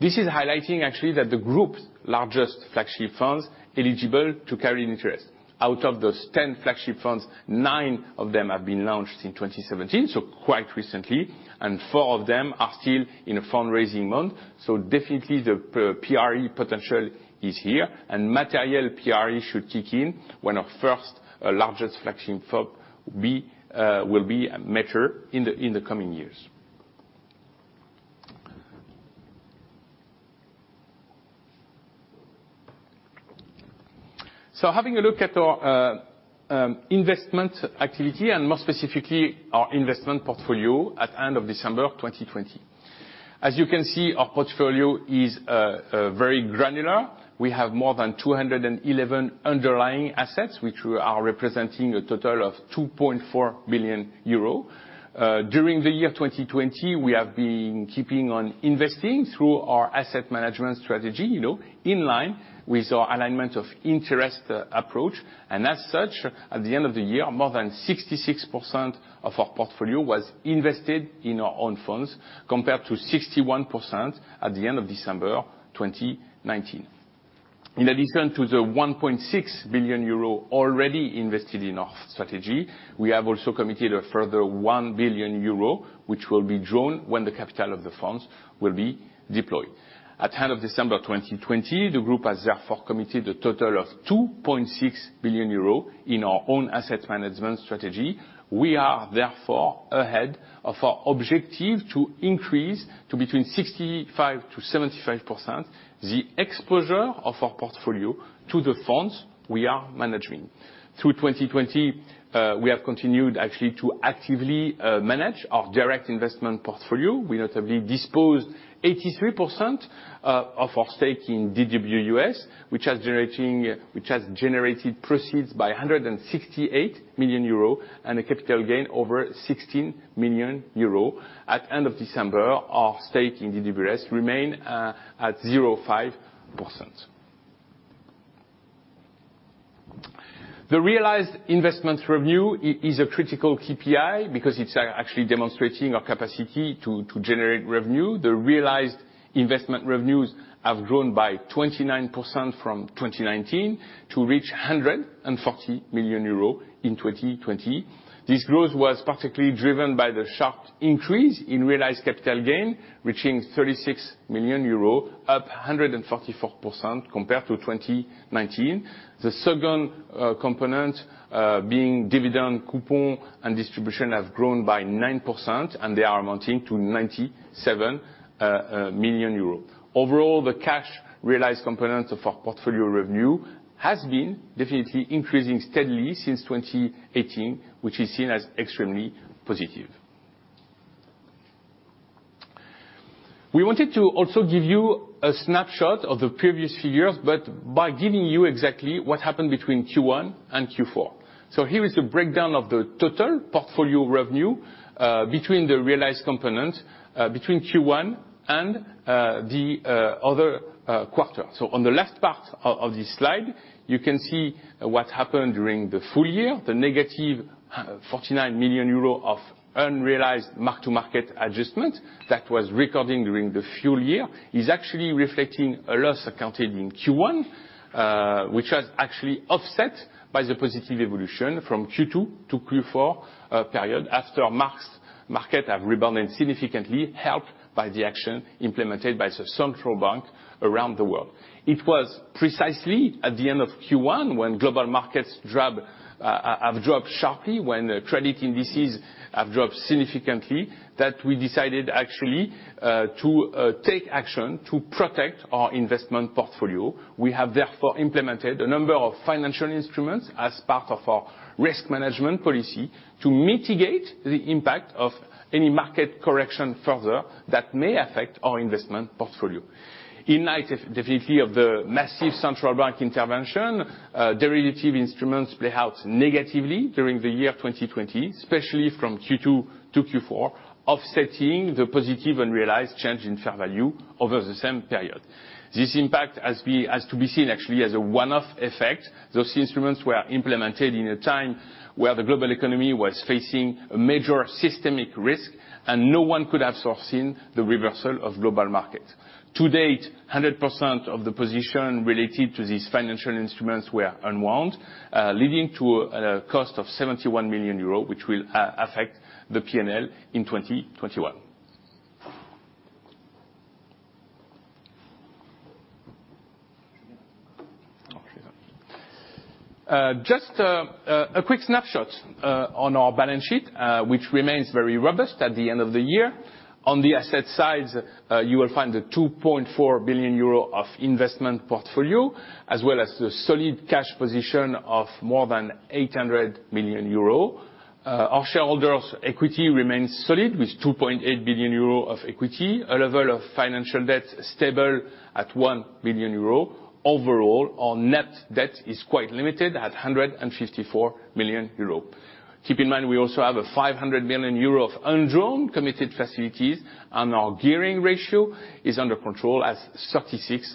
this is highlighting actually that the group's largest flagship funds eligible to carry an interest. Out of those 10 flagship funds, nine of them have been launched in 2017, so quite recently, and four of them are still in a fundraising mode. Definitely, the PRE potential is here and material PRE should kick in when our first largest flagship fund will be mature in the coming years. Having a look at our investment activity and more specifically, our investment portfolio at end of December 2020. As you can see, our portfolio is very granular. We have more than 211 underlying assets, which are representing a total of 2.4 billion euro. During the year 2020, we have been keeping on investing through our asset management strategy, in line with our alignment of interest approach. As such, at the end of the year, more than 66% of our portfolio was invested in our own funds, compared to 61% at the end of December 2019. In addition to the 1.6 billion euro already invested in our strategy, we have also committed a further 1 billion euro, which will be drawn when the capital of the funds will be deployed. At end of December 2020, the group has therefore committed a total of 2.6 billion euros in our own asset management strategy. We are therefore ahead of our objective to increase to between 65%-75% the exposure of our portfolio to the funds we are managing. Through 2020, we have continued actually to actively manage our direct investment portfolio. We notably disposed 83% of our stake in DWS, which has generated proceeds by 168 million euro and a capital gain over 16 million euro. At end of December, our stake in DWS remain at 0.5%. The realized investment revenue is a critical KPI because it's actually demonstrating our capacity to generate revenue. The realized investment revenues have grown by 29% from 2019 to reach 140 million euro in 2020. This growth was particularly driven by the sharp increase in realized capital gain, reaching 36 million euros, up 144% compared to 2019. The second component being dividend coupon and distribution have grown by 9%, and they are amounting to 97 million euros. Overall, the cash realized component of our portfolio revenue has been definitely increasing steadily since 2018, which is seen as extremely positive. We wanted to also give you a snapshot of the previous figures, but by giving you exactly what happened between Q1 and Q4. Here is the breakdown of the total portfolio revenue between the realized component between Q1 and the other quarter. On the left part of this slide, you can see what happened during the full year. The -49 million euro of unrealized mark-to-market adjustment that was recording during the full year is actually reflecting a loss accounted in Q1, which was actually offset by the positive evolution from Q2 to Q4 period after markets have rebounded significantly, helped by the action implemented by the central bank around the world. It was precisely at the end of Q1 when global markets have dropped sharply, when credit indices have dropped significantly, that we decided actually to take action to protect our investment portfolio. Therefore, we have implemented a number of financial instruments as part of our risk management policy to mitigate the impact of any market correction further that may affect our investment portfolio. In light definitely of the massive central bank intervention, derivative instruments play out negatively during the year 2020, especially from Q2 to Q4, offsetting the positive unrealized change in fair value over the same period. This impact has to be seen actually as a one-off effect. Those instruments were implemented in a time where the global economy was facing a major systemic risk, and no one could have foreseen the reversal of global markets. To date, 100% of the position related to these financial instruments were unwound, leading to a cost of 71 million euros, which will affect the P&L in 2021. Just a quick snapshot on our balance sheet, which remains very robust at the end of the year. On the asset side, you will find the 2.4 billion euro of investment portfolio, as well as the solid cash position of more than 800 million euro. Our shareholders' equity remains solid with 2.8 billion euro of equity, a level of financial debt stable at 1 billion euro. Overall, our net debt is quite limited at 154 million euro. Keep in mind, we also have a 500 million euro of undrawn committed facilities, and our gearing ratio is under control at 36%.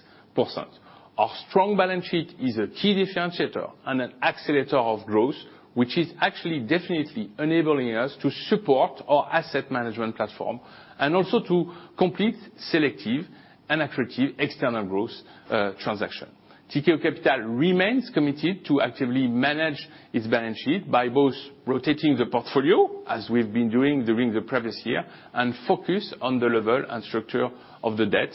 Our strong balance sheet is a key differentiator and an accelerator of growth, which is actually definitely enabling us to support our asset management platform and also to complete selective and accretive external growth transaction. Tikehau Capital remains committed to actively manage its balance sheet by both rotating the portfolio, as we've been doing during the previous year, and focus on the level and structure of the debt.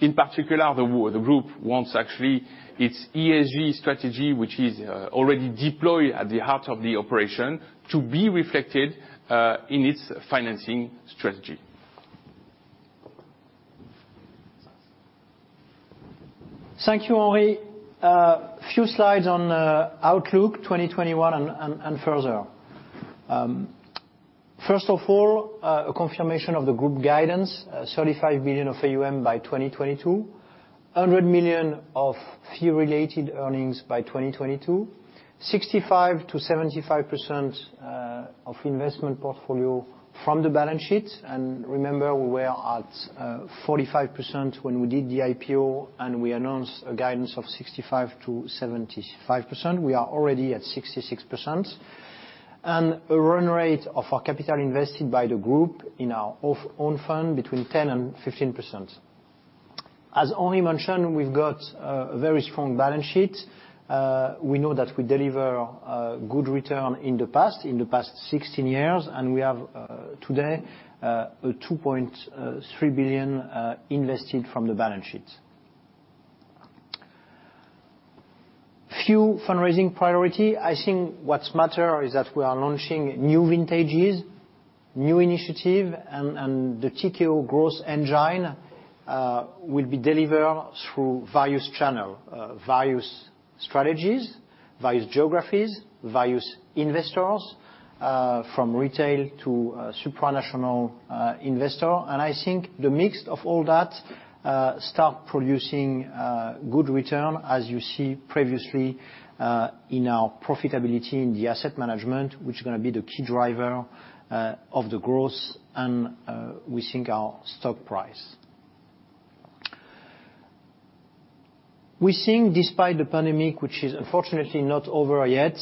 In particular, the group wants actually its ESG strategy, which is already deployed at the heart of the operation, to be reflected in its financing strategy. Thank you, Henri. A few slides on outlook 2021 and further. First of all, a confirmation of the group guidance. 35 billion of AUM by 2022, 100 million of fee-related earnings by 2022, 65%-75% of investment portfolio from the balance sheet. Remember, we were at 45% when we did the IPO, and we announced a guidance of 65%-75%. We are already at 66%. A run rate of our capital invested by the group in our own fund between 10% and 15%. As Henri mentioned, we've got a very strong balance sheet. We know that we deliver good return in the past 16 years, and we have, today, a 2.3 billion invested from the balance sheet. Few fundraising priority. I think what's matter is that we are launching new vintages, new initiative, and the Tikehau growth engine will be delivered through various channel, various strategies, various geographies, various investors, from retail to supranational investor. I think the mix of all that start producing good return, as you see previously, in our profitability in the asset management, which is going to be the key driver of the growth, and we think our stock price. We think despite the pandemic, which is unfortunately not over yet,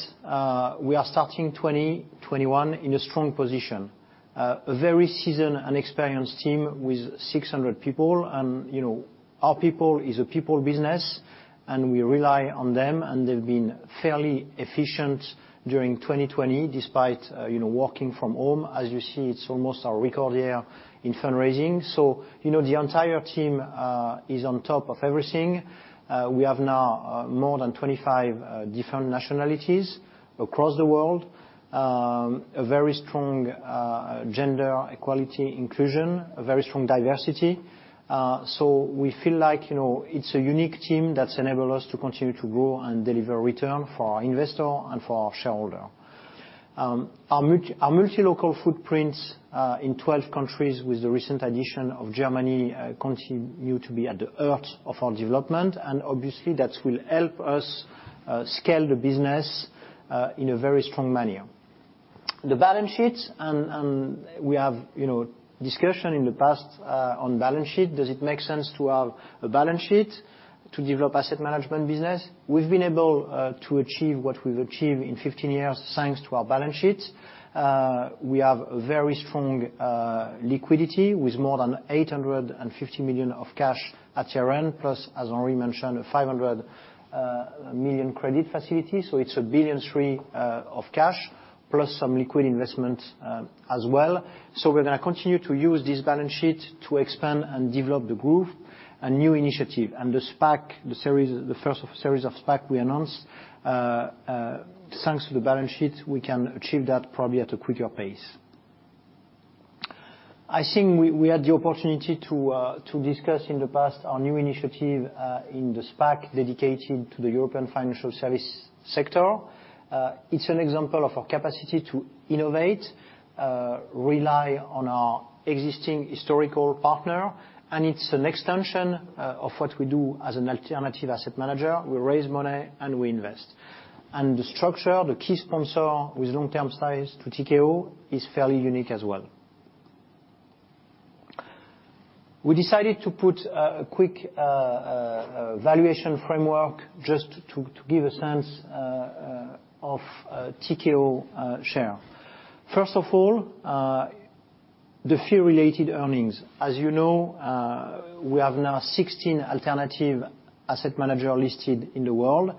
we are starting 2021 in a strong position. A very seasoned and experienced team with 600 people. Our people is a people business, and we rely on them, and they've been fairly efficient during 2020 despite working from home. As you see, it's almost our record year in fundraising. The entire team is on top of everything. We have now more than 25 different nationalities across the world, a very strong gender equality inclusion, a very strong diversity. We feel like it's a unique team that's enabled us to continue to grow and deliver return for our investor and for our shareholder. Our multi-local footprints in 12 countries with the recent addition of Germany continue to be at the heart of our development, obviously, that will help us scale the business in a very strong manner. The balance sheet, we have discussion in the past on balance sheet. Does it make sense to have a balance sheet to develop asset management business? We've been able to achieve what we've achieved in 15 years, thanks to our balance sheet. We have very strong liquidity with more than 850 million of cash at year-end, plus, as Henri mentioned, a 500 million credit facility. It's 1.3 billion of cash, plus some liquid investment as well. We're going to continue to use this balance sheet to expand and develop the group, a new initiative. The SPAC, the first of series of SPAC we announced, thanks to the balance sheet, we can achieve that probably at a quicker pace. I think we had the opportunity to discuss in the past our new initiative in the SPAC dedicated to the European financial services sector. It's an example of our capacity to innovate, rely on our existing historical partner, and it's an extension of what we do as an alternative asset manager. We raise money, and we invest. The structure, the key sponsor with long-term ties to Tikehau is fairly unique as well. We decided to put a quick valuation framework just to give a sense of Tikehau share. First of all, the fee-related earnings. As you know, we have now 16 alternative asset manager listed in the world,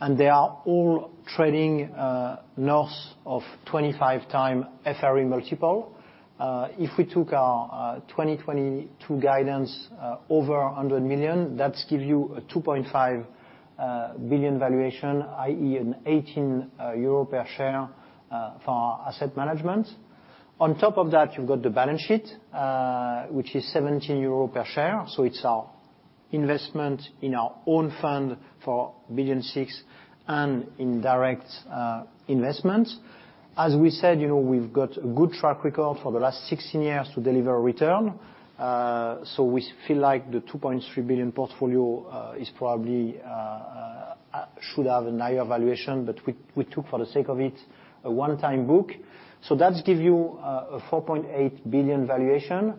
and they are all trading north of 25x FRE multiple. If we took our 2022 guidance over 100 million, that give you a 2.5 billion valuation, i.e., an 18 euro per share for our asset management. On top of that, you've got the balance sheet, which is 17 euro per share. It's our investment in our own fund for 4.6 billion and in direct investments. As we said, we've got a good track record for the last 16 years to deliver return. We feel like the 2.3 billion portfolio probably should have a higher valuation, but we took, for the sake of it, a one-time book. That give you a 4.8 billion valuation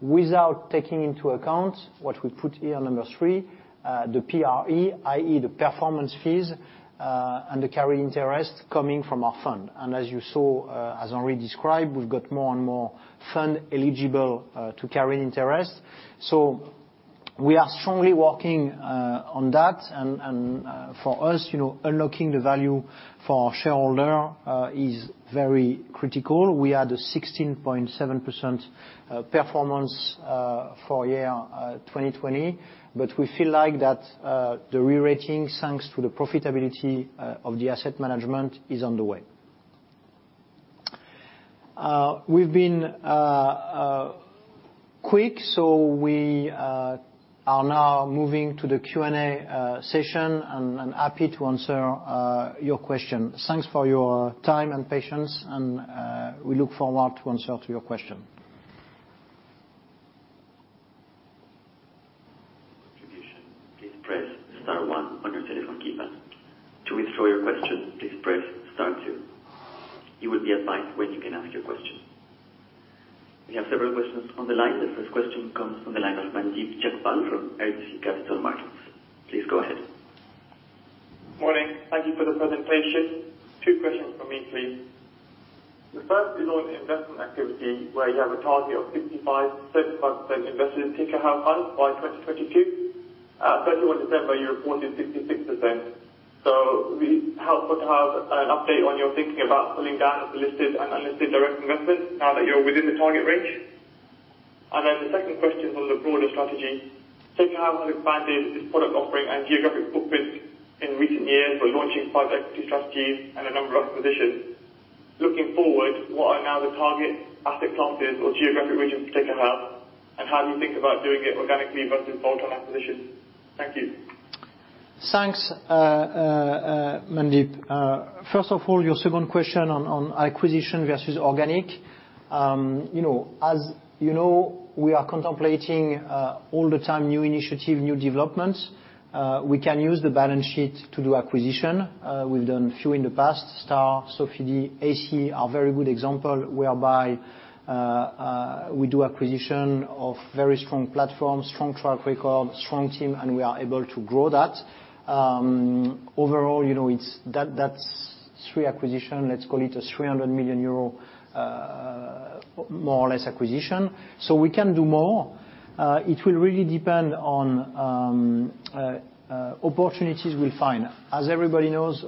without taking into account what we put here, number three, the PRE, i.e., the performance fees, and the carried interest coming from our fund. As you saw, as Henri described, we've got more and more fund eligible to carry interest. We are strongly working on that. For us, unlocking the value for our shareholder is very critical. We had a 16.7% performance for year 2020, but we feel like that the re-rating, thanks to the profitability of the asset management, is on the way. We've been quick, so we are now moving to the Q&A session and happy to answer your question. Thanks for your time and patience, and we look forward to answer to your question. We have several questions on the line. The first question comes from the line of Mandeep Jagpal from RBC Capital Markets. Please go ahead. Morning. Thank you for the presentation. Two questions from me, please. The first is on investment activity, where you have a target of 65% to 75% invested in Tikehau funds by 2022. At 31 December, you reported 66%. It would be helpful to have an update on your thinking about pulling down of the listed and unlisted direct investments now that you're within the target range. The second question on the broader strategy. Tikehau has expanded its product offering and geographic footprint in recent years by launching private equity strategies and a number of acquisitions. Looking forward, what are now the target asset classes or geographic regions for Tikehau, and how do you think about doing it organically versus bolt-on acquisitions? Thank you. Thanks, Mandeep. First of all, your second question on acquisition versus organic. As you know, we are contemplating all the time new initiative, new developments. We can use the balance sheet to do acquisition. We've done a few in the past, Star, Sofidy, ACE are very good example, whereby we do acquisition of very strong platforms, strong track record, strong team, and we are able to grow that. Overall, that's three acquisition, let's call it a 300 million euro, more or less, acquisition. We can do more. It will really depend on opportunities we find. As everybody knows,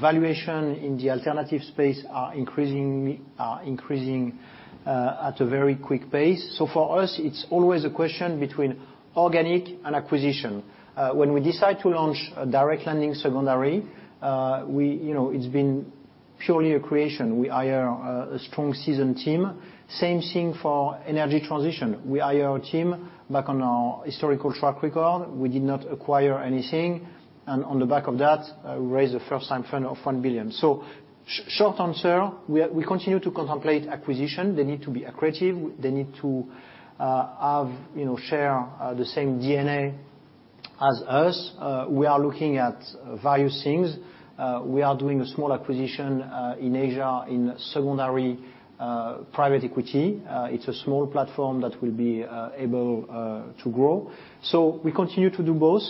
valuation in the alternative space are increasing at a very quick pace. For us, it's always a question between organic and acquisition. When we decide to launch a direct lending secondary, it's been purely accretion. We hire a strong seasoned team. Same thing for energy transition. We hire our team back on our historical track record. We did not acquire anything. On the back of that, raise the first time fund of 1 billion. Short answer, we continue to contemplate acquisition. They need to be accretive. They need to share the same DNA as us. We are looking at various things. We are doing a small acquisition in Asia in secondary private equity. It's a small platform that will be able to grow. We continue to do both,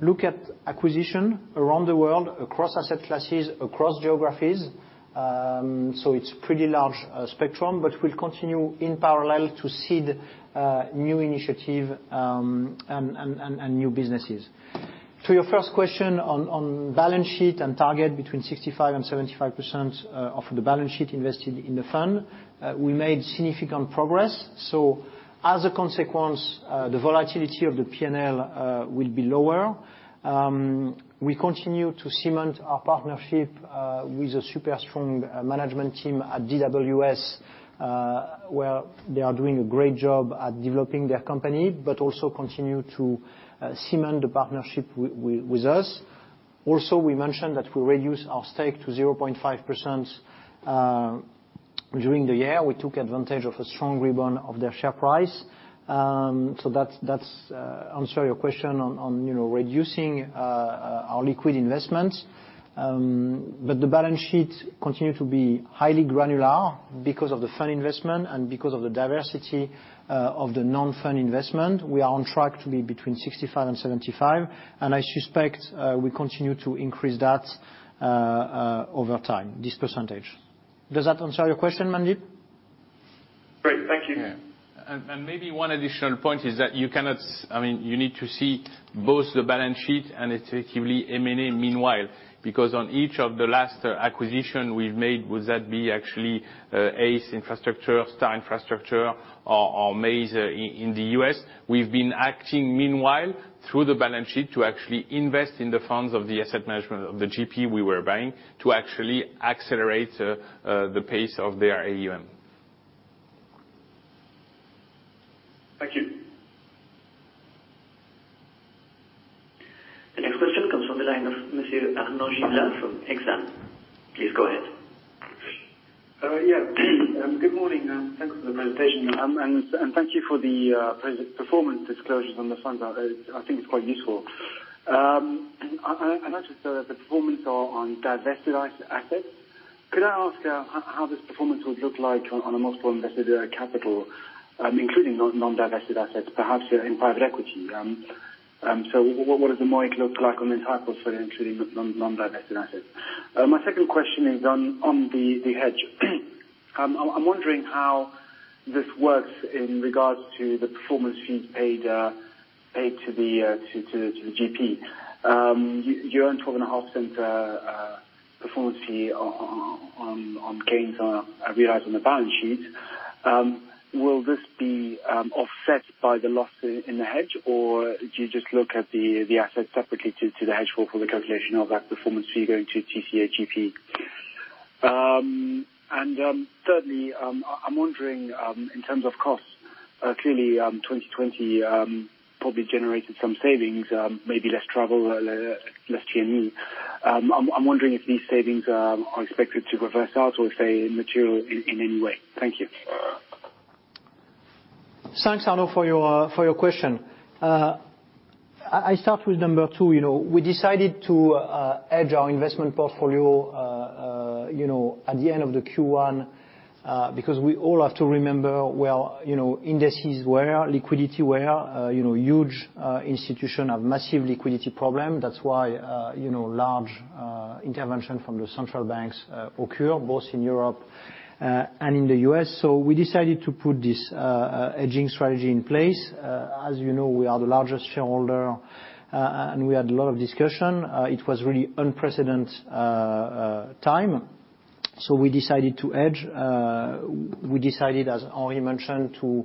look at acquisition around the world, across asset classes, across geographies. It's pretty large spectrum, but we'll continue in parallel to seed new initiative and new businesses. To your first question on balance sheet and target between 65% and 75% of the balance sheet invested in the fund, we made significant progress. As a consequence, the volatility of the P&L will be lower. We continue to cement our partnership with a super strong management team at DWS where they are doing a great job at developing their company, but also continue to cement the partnership with us. We mentioned that we reduce our stake to 0.5% during the year. We took advantage of a strong rebound of their share price. That's answer your question on reducing our liquid investments. The balance sheet continue to be highly granular because of the fund investment and because of the diversity of the non-fund investment. We are on track to be between 65% and 75%, and I suspect we continue to increase that over time, this percentage. Does that answer your question, Mandeep? Great. Thank you. Yeah. Maybe one additional point is that you need to see both the balance sheet and effectively M&A meanwhile, because on each of the last acquisition we've made, would that be actually ACE Infrastructure, Star Infrastructure, or Maze in the U.S., we've been acting meanwhile through the balance sheet to actually invest in the funds of the asset management of the GP we were buying to actually accelerate the pace of their AUM. Thank you. The next question comes from the line of Monsieur Arnaud Giblat from Exane. Please go ahead. Good morning, and thanks for the presentation. Thank you for the performance disclosures on the funds. I think it's quite useful. I noticed that the performance are on divested assets. Could I ask how this performance would look like on a multiple invested capital, including non-divested assets, perhaps in private equity? What does the MOIC look like on this type of study, including non-divested assets? My second question is on the hedge. I'm wondering how this works in regards to the performance fees paid to the GP. You earn 12.5% performance fee on gains realized on the balance sheet. Will this be offset by the loss in the hedge, or do you just look at the assets separately to the hedge fund for the calculation of that performance fee going to TCA GP? Thirdly, I'm wondering, in terms of costs, clearly 2020 probably generated some savings, maybe less travel, less T&E. I'm wondering if these savings are expected to reverse out or if they materialize in any way. Thank you. Thanks, Arnaud, for your question. I start with number two. We decided to hedge our investment portfolio at the end of the Q1 because we all have to remember where indices were, liquidity were. Huge institution have massive liquidity problem. That's why large intervention from the central banks occur both in Europe and in the U.S. We decided to put this hedging strategy in place. As you know, we are the largest shareholder, and we had a lot of discussion. It was really unprecedented time, so we decided to hedge. We decided, as Henri mentioned, to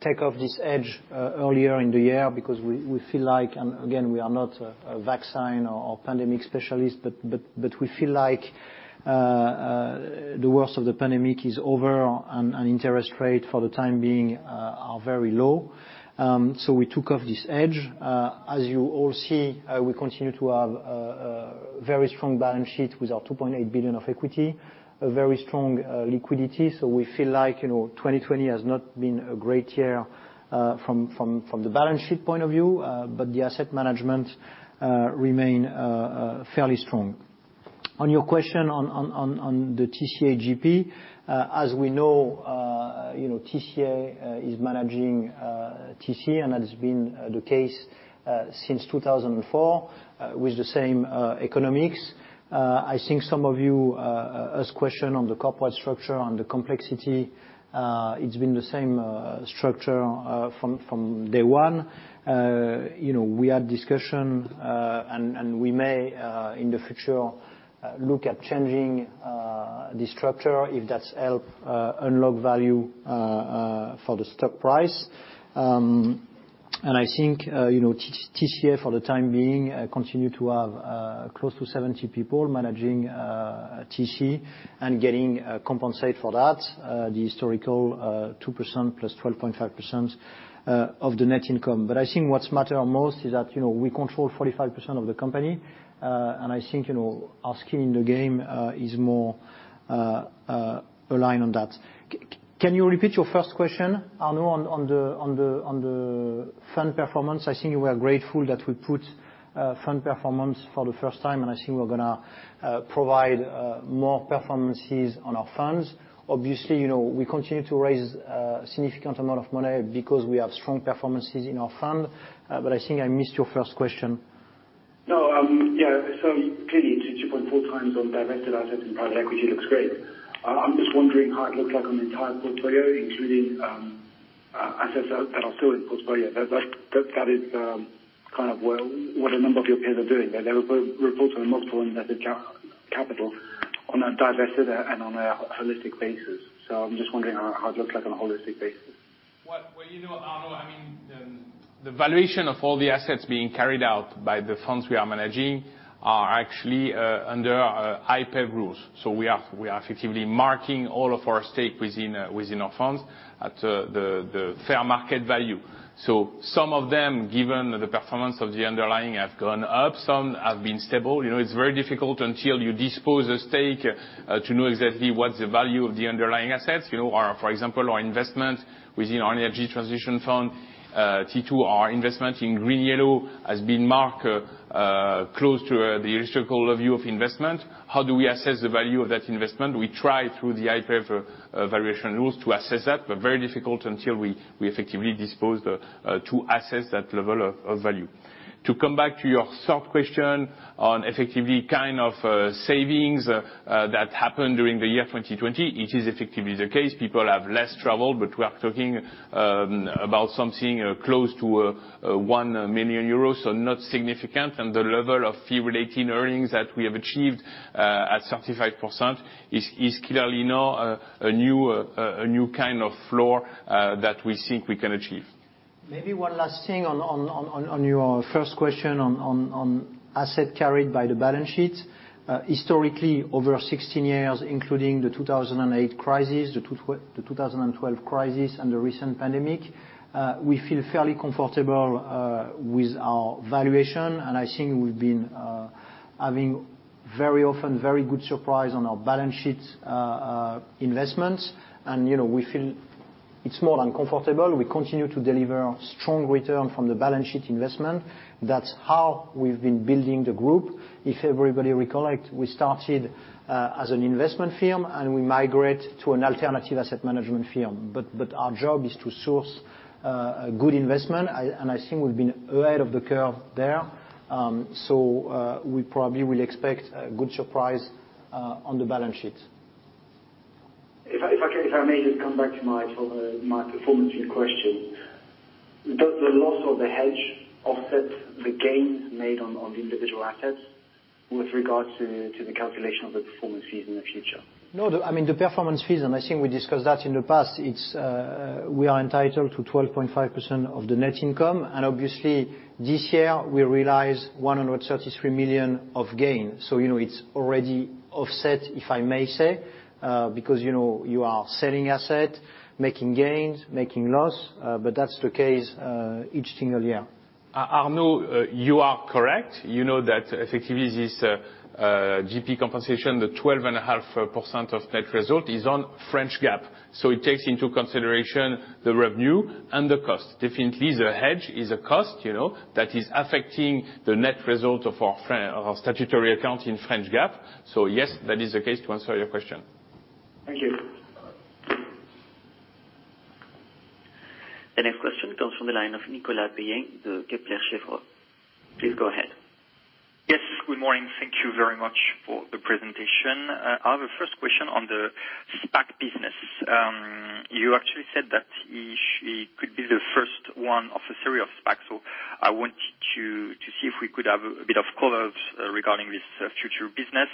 take off this hedge earlier in the year because we feel like, and again, we are not a vaccine or pandemic specialist, but we feel like the worst of the pandemic is over, and interest rate for the time being are very low. We took off this hedge. As you all see, we continue to have a very strong balance sheet with our 2.8 billion of equity, a very strong liquidity. We feel like 2020 has not been a great year from the balance sheet point of view, but the asset management remain fairly strong. On your question on the TCA GP, as we know, TCA is managing TC, and that has been the case since 2004 with the same economics. I think some of you asked question on the corporate structure, on the complexity. It's been the same structure from day one. We had discussion, and we may, in the future, look at changing the structure if that help unlock value for the stock price. I think TCA, for the time being, continue to have close to 70 people managing TC and getting compensate for that, the historical 2% plus 12.5% of the net income. I think what matters most is that we control 45% of the company, and I think our skin in the game is more aligned on that. Can you repeat your first question, Arnaud, on the fund performance? I think you were grateful that we put fund performance for the first time. I think we're going to provide more performances on our funds. Obviously, we continue to raise a significant amount of money because we have strong performances in our fund. I think I missed your first question. No. Yeah. Clearly, 2.4x on divested assets and private equity looks great. I'm just wondering how it looks like on the entire portfolio, including assets that are still in portfolio. That is kind of what a number of your peers are doing. They report on multiple invested capital on a divested and on a holistic basis. I'm just wondering how it looks like on a holistic basis. Well, Arnaud, the valuation of all the assets being carried out by the funds we are managing are actually under IPEV rules. We are effectively marking all of our stake within our funds at the fair market value. Some of them, given the performance of the underlying, have gone up, some have been stable. It's very difficult until you dispose a stake to know exactly what's the value of the underlying assets. For example, our investment within our energy transition fund, T2, our investment in GreenYellow has been marked close to the historical value of investment. How do we assess the value of that investment? We try through the IPEV valuation rules to assess that, but very difficult until we effectively dispose to assess that level of value. To come back to your third question on effectively kind of savings that happened during the year 2020, it is effectively the case. People have less travel, but we are talking about something close to 1 million euros, so not significant. The level of fee-related earnings that we have achieved at 35% is clearly now a new kind of floor that we think we can achieve. Maybe one last thing on your first question on asset carried by the balance sheet. Historically, over 16 years, including the 2008 crisis, the 2012 crisis, and the recent pandemic, we feel fairly comfortable with our valuation, and I think we've been having very often very good surprise on our balance sheet investments. We feel it's more than comfortable. We continue to deliver strong return from the balance sheet investment. That's how we've been building the group. If everybody recollect, we started as an investment firm, and we migrate to an alternative asset management firm. Our job is to source a good investment, and I think we've been ahead of the curve there. We probably will expect a good surprise on the balance sheet. If I may just come back to my performance fee question, does the loss of the hedge offset the gains made on the individual assets with regards to the calculation of the performance fees in the future? No. The performance fees, and I think we discussed that in the past, we are entitled to 12.5% of the net income, and obviously this year we realized 133 million of gain. It's already offset, if I may say, because you are selling asset, making gains, making loss, but that's the case each single year. Arnaud, you are correct. You know that effectively this GP compensation, the 12.5% of net result, is on French GAAP. It takes into consideration the revenue and the cost. Definitely, the hedge is a cost that is affecting the net result of our statutory account in French GAAP. Yes, that is the case, to answer your question. Thank you. The next question comes from the line of Nicolas Payen of Kepler Cheuvreux. Please go ahead. Yes, good morning. Thank you very much for the presentation. I have a first question on the SPAC business. You actually said that it could be the first one of a series of SPAC. I wanted to see if we could have a bit of color regarding this future business.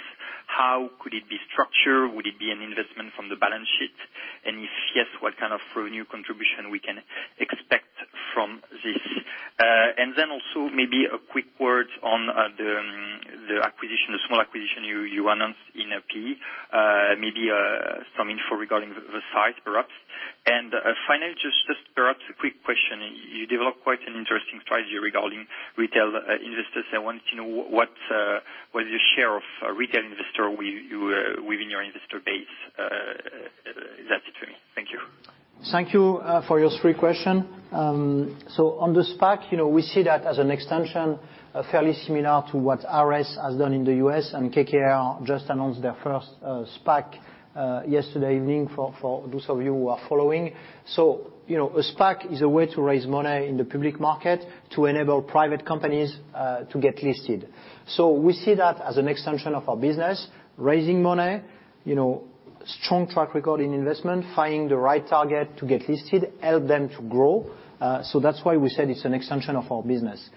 How could it be structured? Would it be an investment from the balance sheet? If yes, what kind of revenue contribution we can expect from this? Then also maybe a quick word on the small acquisition you announced in PE. Maybe some info regarding the size perhaps. Finally, just perhaps a quick question. You developed quite an interesting strategy regarding retail investors. I wanted to know what is your share of retail investor within your investor base. That's it from me. Thank you. Thank you for your three question. On the SPAC, we see that as an extension, fairly similar to what Ares has done in the U.S. and KKR just announced their first SPAC yesterday evening, for those of you who are following. A SPAC is a way to raise money in the public market to enable private companies to get listed. We see that as an extension of our business, raising money, strong track record in investment, finding the right target to get listed, help them to grow. That's why we said it's an extension of our business.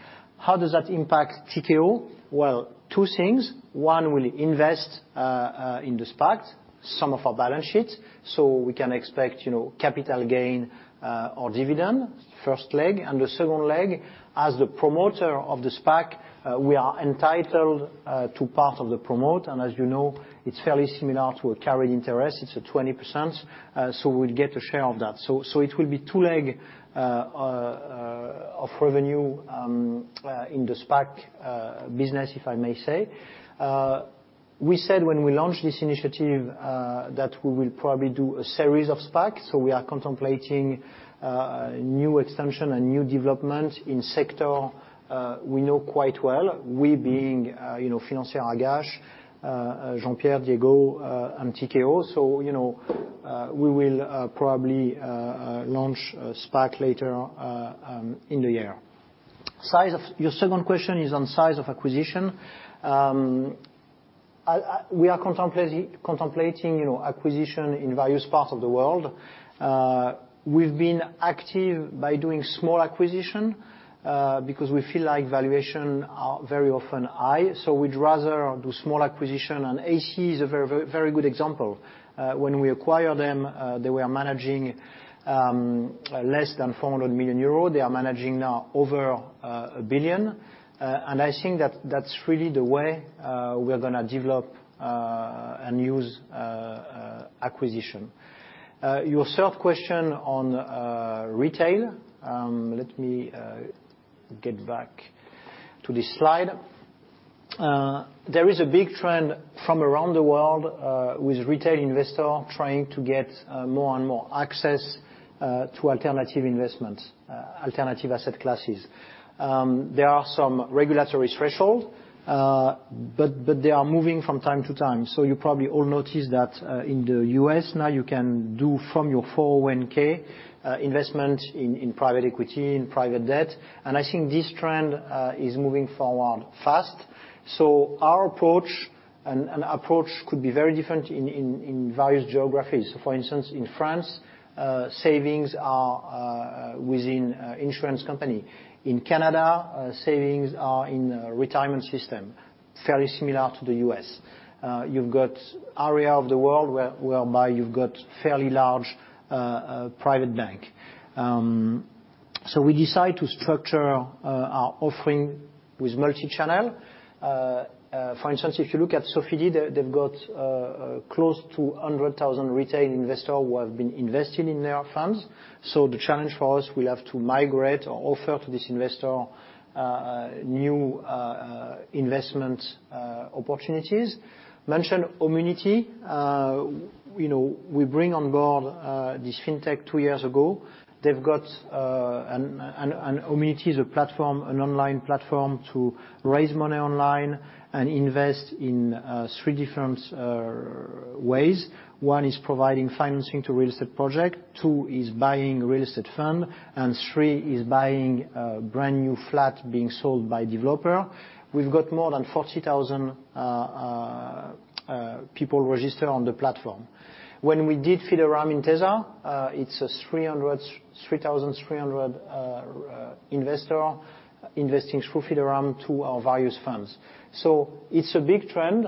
How does that impact Tikehau? Two things. One, we'll invest in the SPAC some of our balance sheets, so we can expect capital gain or dividend, first leg. The second leg, as the promoter of the SPAC, we are entitled to part of the promote. As you know, it's fairly similar to a carried interest. It's a 20%, so we'll get a share of that. It will be two leg of revenue in the SPAC business, if I may say. We said when we launched this initiative, that we will probably do a series of SPAC. We are contemplating new extension and new development in sector we know quite well. We being, Financière Agache, Jean-Pierre, Diego, and Tikehau. We will probably launch a SPAC later in the year. Your second question is on size of acquisition. We are contemplating acquisition in various parts of the world. We've been active by doing small acquisition, because we feel like valuation are very often high, so we'd rather do small acquisition. ACE is a very good example. When we acquire them, they were managing less than 400 million euros. They are managing now over 1 billion. I think that that's really the way we're going to develop and use acquisition. Your third question on retail, let me get back to this slide. There is a big trend from around the world with retail investor trying to get more and more access to alternative investments, alternative asset classes. There are some regulatory threshold, but they are moving from time to time. You probably all noticed that in the U.S. now you can do from your 401(k) investment in private equity, in private debt, and I think this trend is moving forward fast. Our approach, and approach could be very different in various geographies. For instance, in France, savings are within insurance company. In Canada, savings are in a retirement system, fairly similar to the U.S. You've got area of the world whereby you've got fairly large private bank. We decide to structure our offering with multi-channel. For instance, if you look at Sofidy, they've got close to 100,000 retail investor who have been investing in their funds. The challenge for us, we'll have to migrate or offer to this investor new investment opportunities. Mentioned Homunity. We bring on board this fintech two years ago. Homunity is a platform, an online platform to raise money online and invest in three different ways. One is providing financing to real estate project, two is buying real estate fund, and three is buying a brand-new flat being sold by developer. We've got more than 40,000 people registered on the platform. When we did Fideuram in Intesa, it's 3,300 investor investing through Fideuram to our various funds. It's a big trend.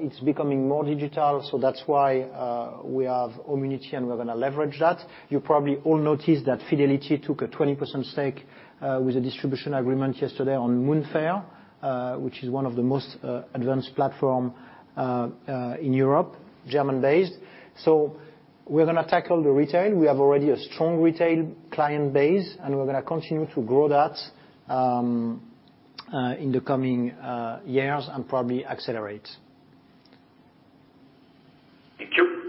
It's becoming more digital, that's why we have Homunity, and we're going to leverage that. You probably all noticed that Fidelity took a 20% stake with a distribution agreement yesterday on Moonfare, which is one of the most advanced platform in Europe, German-based. We're going to tackle the retail. We have already a strong retail client base, and we're going to continue to grow that in the coming years and probably accelerate. Thank you.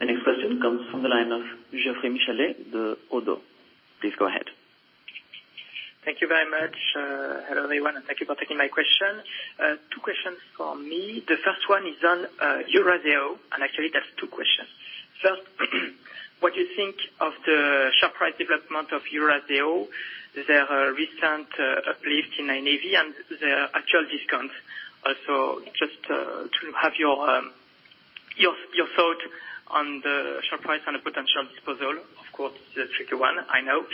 The next question comes from the line of Geoffroy Michalet of Oddo. Please go ahead. Thank you very much. Hello, everyone, and thank you for taking my question. Two questions from me. The first one is on Eurazeo, and actually that's two questions. What do you think of the share price development of Eurazeo, their recent uplift in NAV and their actual discount? Just to have your thought on the share price and a potential disposal. Of course, it's a tricky one, I know.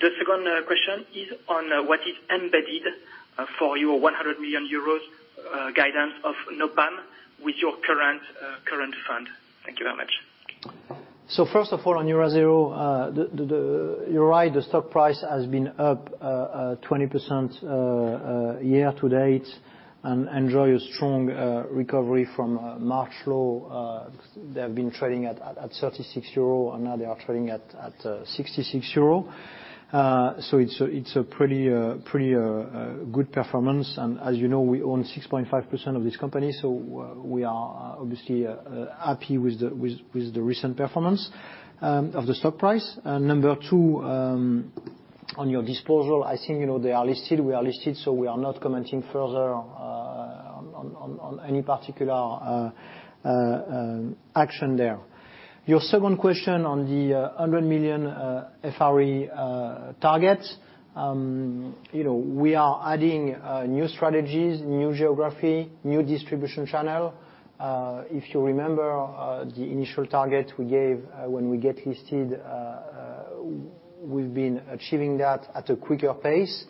The second question is on what is embedded for your 100 million euros guidance of NOPAM with your current fund. Thank you very much. First of all, on Eurazeo, you're right, the stock price has been up 20% year to date and enjoy a strong recovery from March low. They have been trading at 36 euro, and now they are trading at 66 euro. It's a pretty good performance. As you know, we own 6.5% of this company, we are obviously happy with the recent performance of the stock price. Number two, on your disposal, I think they are listed, we are listed, we are not commenting further on any particular action there. Your second question on the 100 million FRE target. We are adding new strategies, new geography, new distribution channel. If you remember the initial target we gave when we get listed, we've been achieving that at a quicker pace.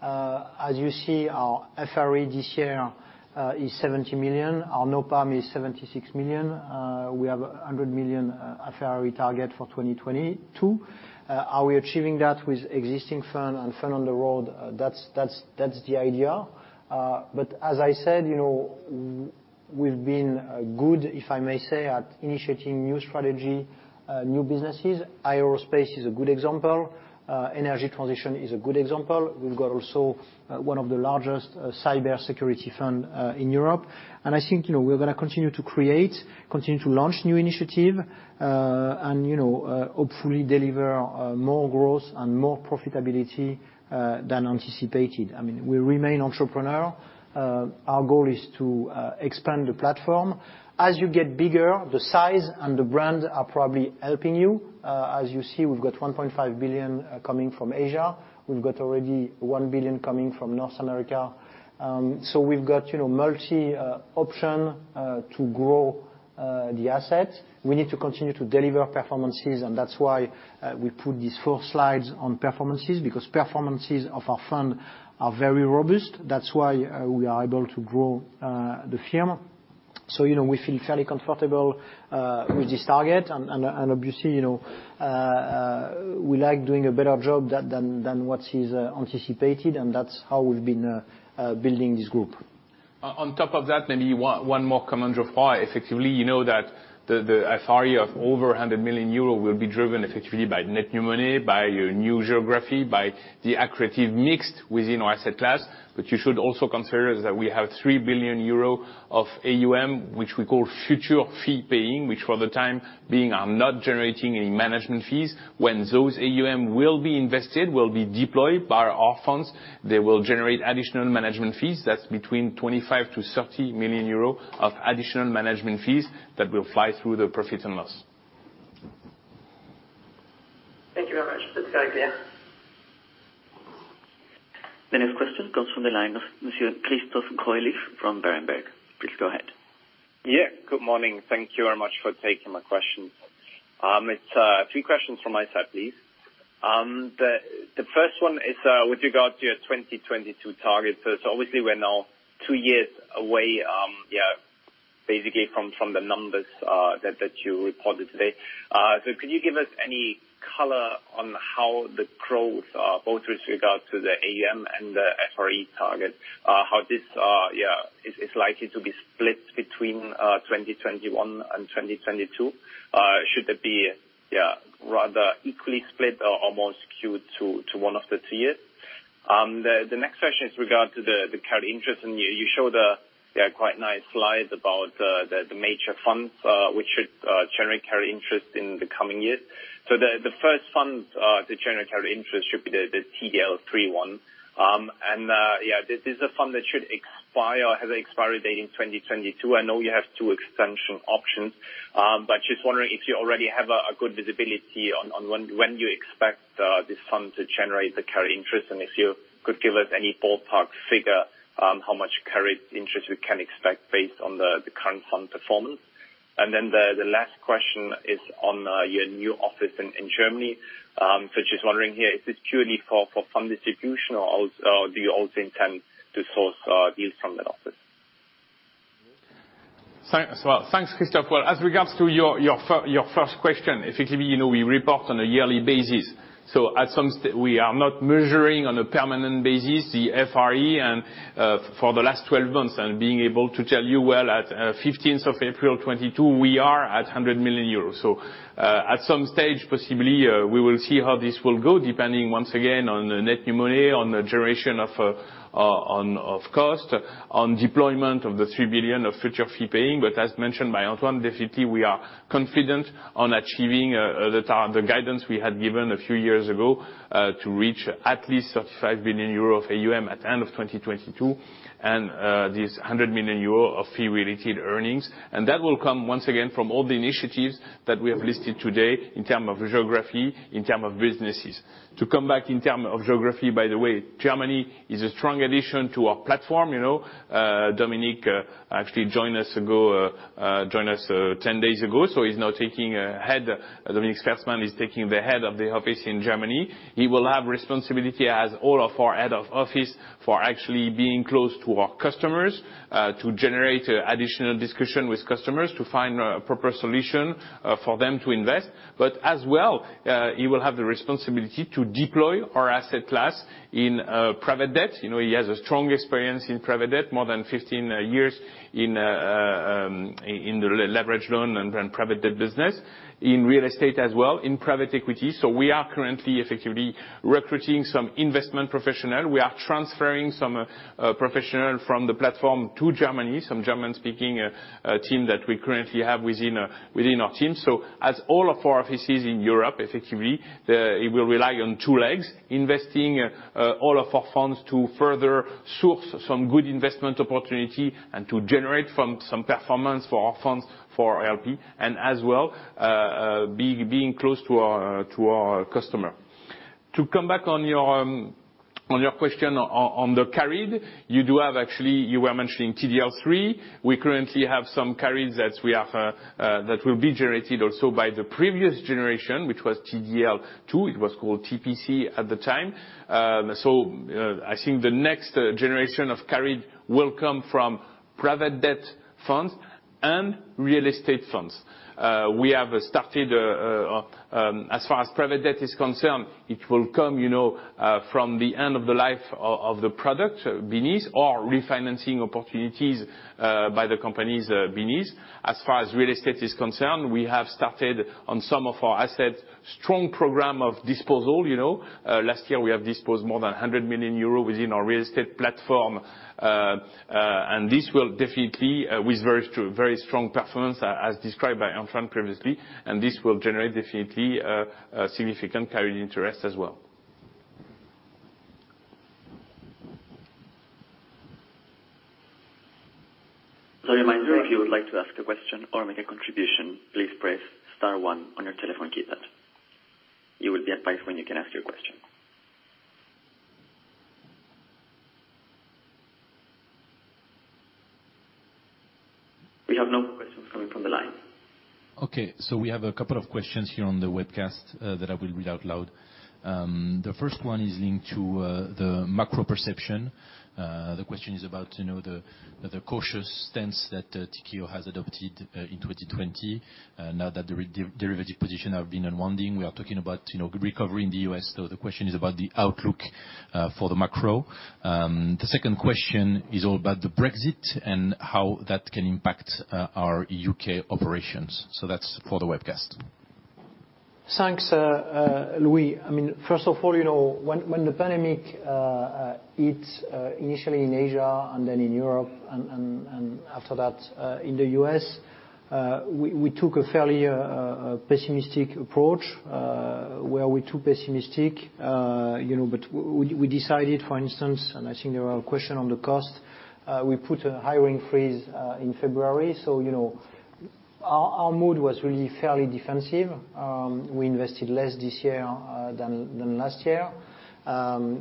As you see, our FRE this year is 70 million. Our NOPAM is 76 million. We have 100 million FRE target for 2022. Are we achieving that with existing fund and fund on the road? That's the idea. As I said, we've been good, if I may say, at initiating new strategy, new businesses. Aerospace is a good example. Energy transition is a good example. We've got also one of the largest cybersecurity fund in Europe. I think we're going to continue to create, continue to launch new initiative, and hopefully deliver more growth and more profitability than anticipated. We remain entrepreneur. Our goal is to expand the platform. As you get bigger, the size and the brand are probably helping you. As you see, we've got 1.5 billion coming from Asia. We've got already 1 billion coming from North America. We've got multi-option to grow the asset. We need to continue to deliver performances, and that's why we put these four slides on performances, because performances of our fund are very robust. That's why we are able to grow the firm. We feel fairly comfortable with this target. Obviously we like doing a better job than what is anticipated, and that's how we've been building this group. On top of that, maybe one more comment, Geoffroy. Effectively, you know that the FRE of over 100 million euro will be driven effectively by net new money, by your new geography, by the accretive mix within our asset class. What you should also consider is that we have 3 billion euro of AUM, which we call future fee paying, which for the time being, are not generating any management fees. When those AUM will be invested, will be deployed by our funds, they will generate additional management fees. That's between 25 million-30 million euro of additional management fees that will fly through the profit and loss. Thank you very much. That's clear. The next question comes from the line of Monsieur Christophe Greulich from Berenberg. Please go ahead. Good morning. Thank you very much for taking my question. It's three questions from my side, please. The first one is with regard to your 2022 target. Obviously we're now two years away, basically from the numbers that you reported today. Could you give us any color on how the growth, both with regard to the AUM and the FRE target how this is likely to be split between 2021 and 2022? Should it be rather equally split or more skewed to one of the two years? The next question is regard to the carried interest. You showed a quite nice slide about the major funds which should generate carried interest in the coming years. The first fund to generate carried interest should be the TDL III. This is a fund that should expire or has an expiry date in 2022. I know you have two extension options. Just wondering if you already have a good visibility on when you expect this fund to generate the carried interest, and if you could give us any ballpark figure how much carried interest we can expect based on the current fund performance. The last question is on your new office in Germany. Just wondering here, is this purely for fund distribution, or do you also intend to source deals from that office? Thanks, Christophe. As regards to your first question, effectively, we report on a yearly basis. At some stage, we are not measuring on a permanent basis the FRE and for the last 12 months and being able to tell you, well, at 15th of April 2022, we are at 100 million euros. At some stage, possibly, we will see how this will go, depending once again, on net new money, on the duration of cost, on deployment of the 3 billion of future fee paying. As mentioned by Antoine definitely, we are confident on achieving the guidance we had given a few years ago, to reach at least 35 billion euro of AUM at the end of 2022, and this 100 million euro of fee-related earnings. That will come, once again, from all the initiatives that we have listed today in terms of geography, in terms of businesses. To come back in terms of geography, by the way, Germany is a strong addition to our platform. Dominik actually joined us 10 days ago. He's now taking the head of the office in Germany. He will have responsibility as all of our head of office for actually being close to our customers, to generate additional discussion with customers, to find a proper solution for them to invest. As well, he will have the responsibility to deploy our asset class in private debt. He has a strong experience in private debt, more than 15 years in the leveraged loan and private debt business, in real estate as well, in private equity. We are currently effectively recruiting some investment professionals. We are transferring some professionals from the platform to Germany, some German-speaking team that we currently have within our team. As all of our offices in Europe, effectively, it will rely on two legs, investing all of our funds to further source some good investment opportunity and to generate some performance for our funds for our LP, and as well, being close to our customer. To come back on your question on the carried, you were mentioning TDL III. We currently have some carried that will be generated also by the previous generation, which was TDL II. It was called TPC at the time. I think the next generation of carried will come from private debt funds and real estate funds. We have started, as far as private debt is concerned, it will come from the end of the life of the product beneath or refinancing opportunities by the companies beneath. As far as real estate is concerned, we have started on some of our assets, strong program of disposal. Last year, we have disposed more than 100 million euro within our real estate platform. This will definitely, with very strong performance, as described by Antoine previously, and this will generate definitely a significant carried interest as well. A reminder, if you would like to ask a question or make a contribution, please press star one on your telephone keypad. You will be advised when you can ask your question. We have no more questions coming from the line. We have a couple of questions here on the webcast that I will read out loud. The first one is linked to the macro perception. The question is about the cautious stance that Tikehau has adopted in 2020. Now that the derivative position have been unwinding, we are talking about recovery in the U.S., the question is about the outlook for the macro. The second question is all about the Brexit and how that can impact our U.K. operations. That's for the webcast. Thanks, Louis. When the pandemic hit initially in Asia and then in Europe and after that, in the U.S., we took a fairly pessimistic approach. Were we too pessimistic? We decided, for instance, and I think there was a question on the cost, we put a hiring freeze in February. Our mood was really fairly defensive. We invested less this year than last year.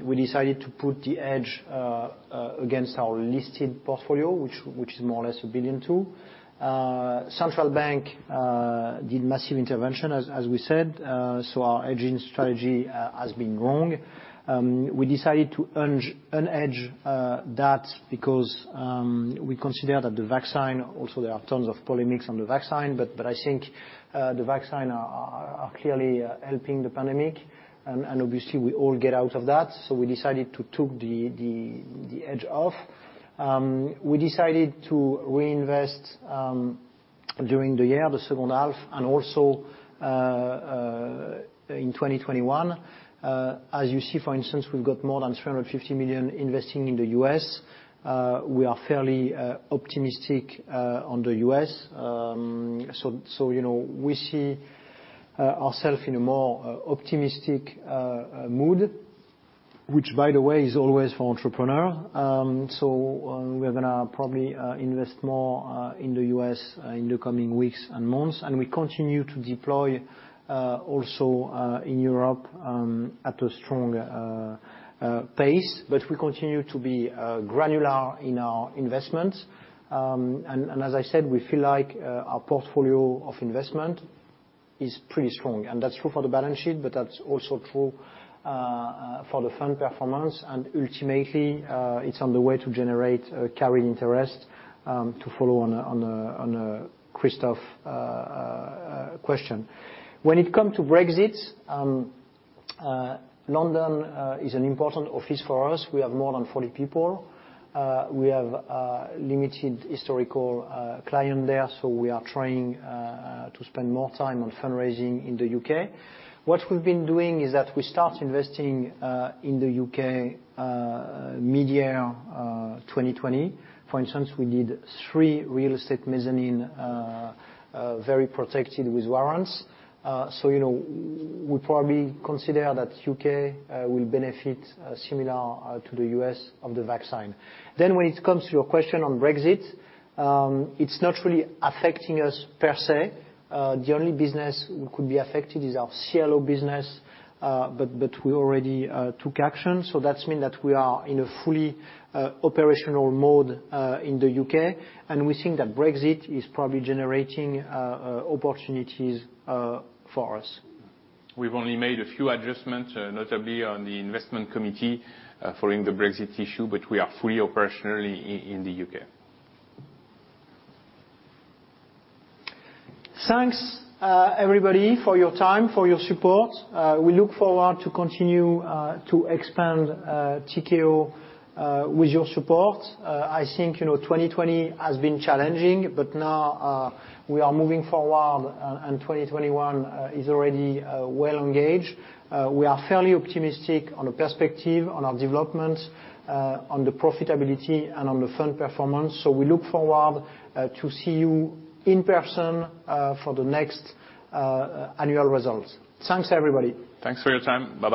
We decided to put the hedge against our listed portfolio, which is more or less 1.2 billion. Central bank did massive intervention, as we said, our hedging strategy has been wrong. We decided to unhedge that because we consider that the vaccine, also there are tons of polemics on the vaccine, but I think the vaccine are clearly helping the pandemic, and obviously, we all get out of that. We decided to took the hedge off. We decided to reinvest during the year, the second half, and also in 2021. As you see, for instance, we've got more than 350 million investing in the U.S. We are fairly optimistic on the U.S. We see ourselves in a more optimistic mood, which by the way, is always for entrepreneurs. We're going to probably invest more in the U.S. in the coming weeks and months, and we continue to deploy also in Europe at a strong pace. We continue to be granular in our investments. As I said, we feel like our portfolio of investment is pretty strong, and that's true for the balance sheet, but that's also true for the fund performance. Ultimately, it's on the way to generate carried interest, to follow on Christophe question. When it comes to Brexit, London is an important office for us. We have more than 40 people. We have a limited historical client there. We are trying to spend more time on fundraising in the U.K. What we've been doing is that we start investing in the U.K. mid-year 2020. For instance, we did three real estate mezzanine, very protected with warrants. We probably consider that U.K. will benefit similar to the U.S. of the vaccine. When it comes to your question on Brexit, it's not really affecting us per se. The only business could be affected is our CLO business. We already took action. That's mean that we are in a fully operational mode in the U.K., and we think that Brexit is probably generating opportunities for us. We've only made a few adjustments, notably on the investment committee following the Brexit issue, but we are fully operationally in the U.K. Thanks everybody for your time, for your support. We look forward to continue to expand Tikehau with your support. I think 2020 has been challenging, but now we are moving forward and 2021 is already well engaged. We are fairly optimistic on the perspective, on our development, on the profitability, and on the fund performance. We look forward to see you in person for the next annual results. Thanks, everybody. Thanks for your time. Bye-bye.